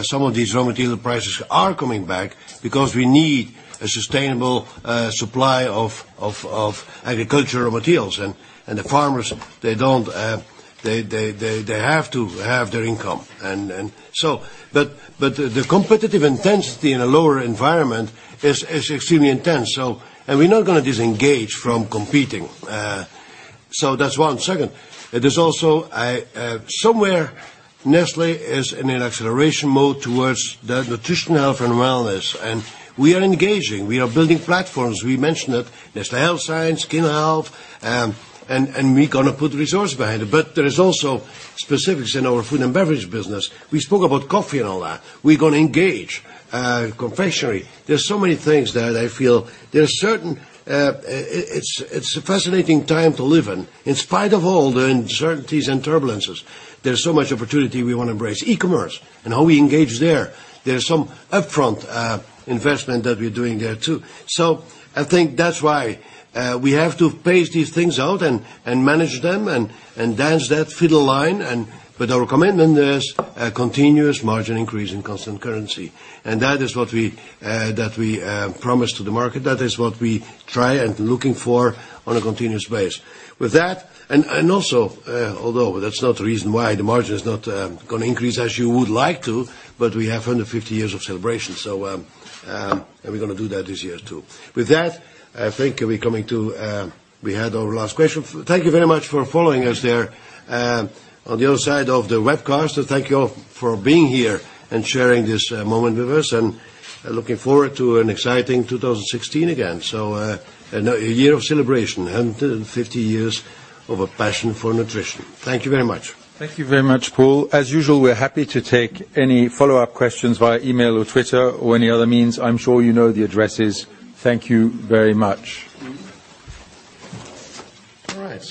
some of these raw material prices are coming back because we need a sustainable supply of agricultural materials. The farmers, they have to have their income. The competitive intensity in a lower environment is extremely intense, and we're not going to disengage from competing. That's one. Second, there's also somewhere Nestlé is in an acceleration mode towards the nutritional health and wellness, and we are engaging. We are building platforms. We mentioned it, Nestlé Health Science, Skin Health, we're going to put resource behind it. There is also specifics in our food and beverage business. We spoke about coffee and all that. We're going to engage confectionery. There's so many things that I feel it's a fascinating time to live in. In spite of all the uncertainties and turbulences, there's so much opportunity we want to embrace. E-commerce, how we engage there. There's some upfront investment that we're doing there, too. I think that's why we have to pace these things out and manage them and dance that fiddle line and with our commitment, there's a continuous margin increase in constant currency. That is what we promise to the market. That is what we try and looking for on a continuous basis. With that, although that's not the reason why the margin is not going to increase as you would like to, but we have 150 years of celebration, we're going to do that this year, too. With that, I think we had our last question. Thank you very much for following us there on the other side of the webcast. Thank you all for being here and sharing this moment with us, looking forward to an exciting 2016 again. A year of celebration, 150 years of a passion for nutrition. Thank you very much. Thank you very much, Paul. As usual, we're happy to take any follow-up questions via email or Twitter or any other means. I'm sure you know the addresses. Thank you very much. All right.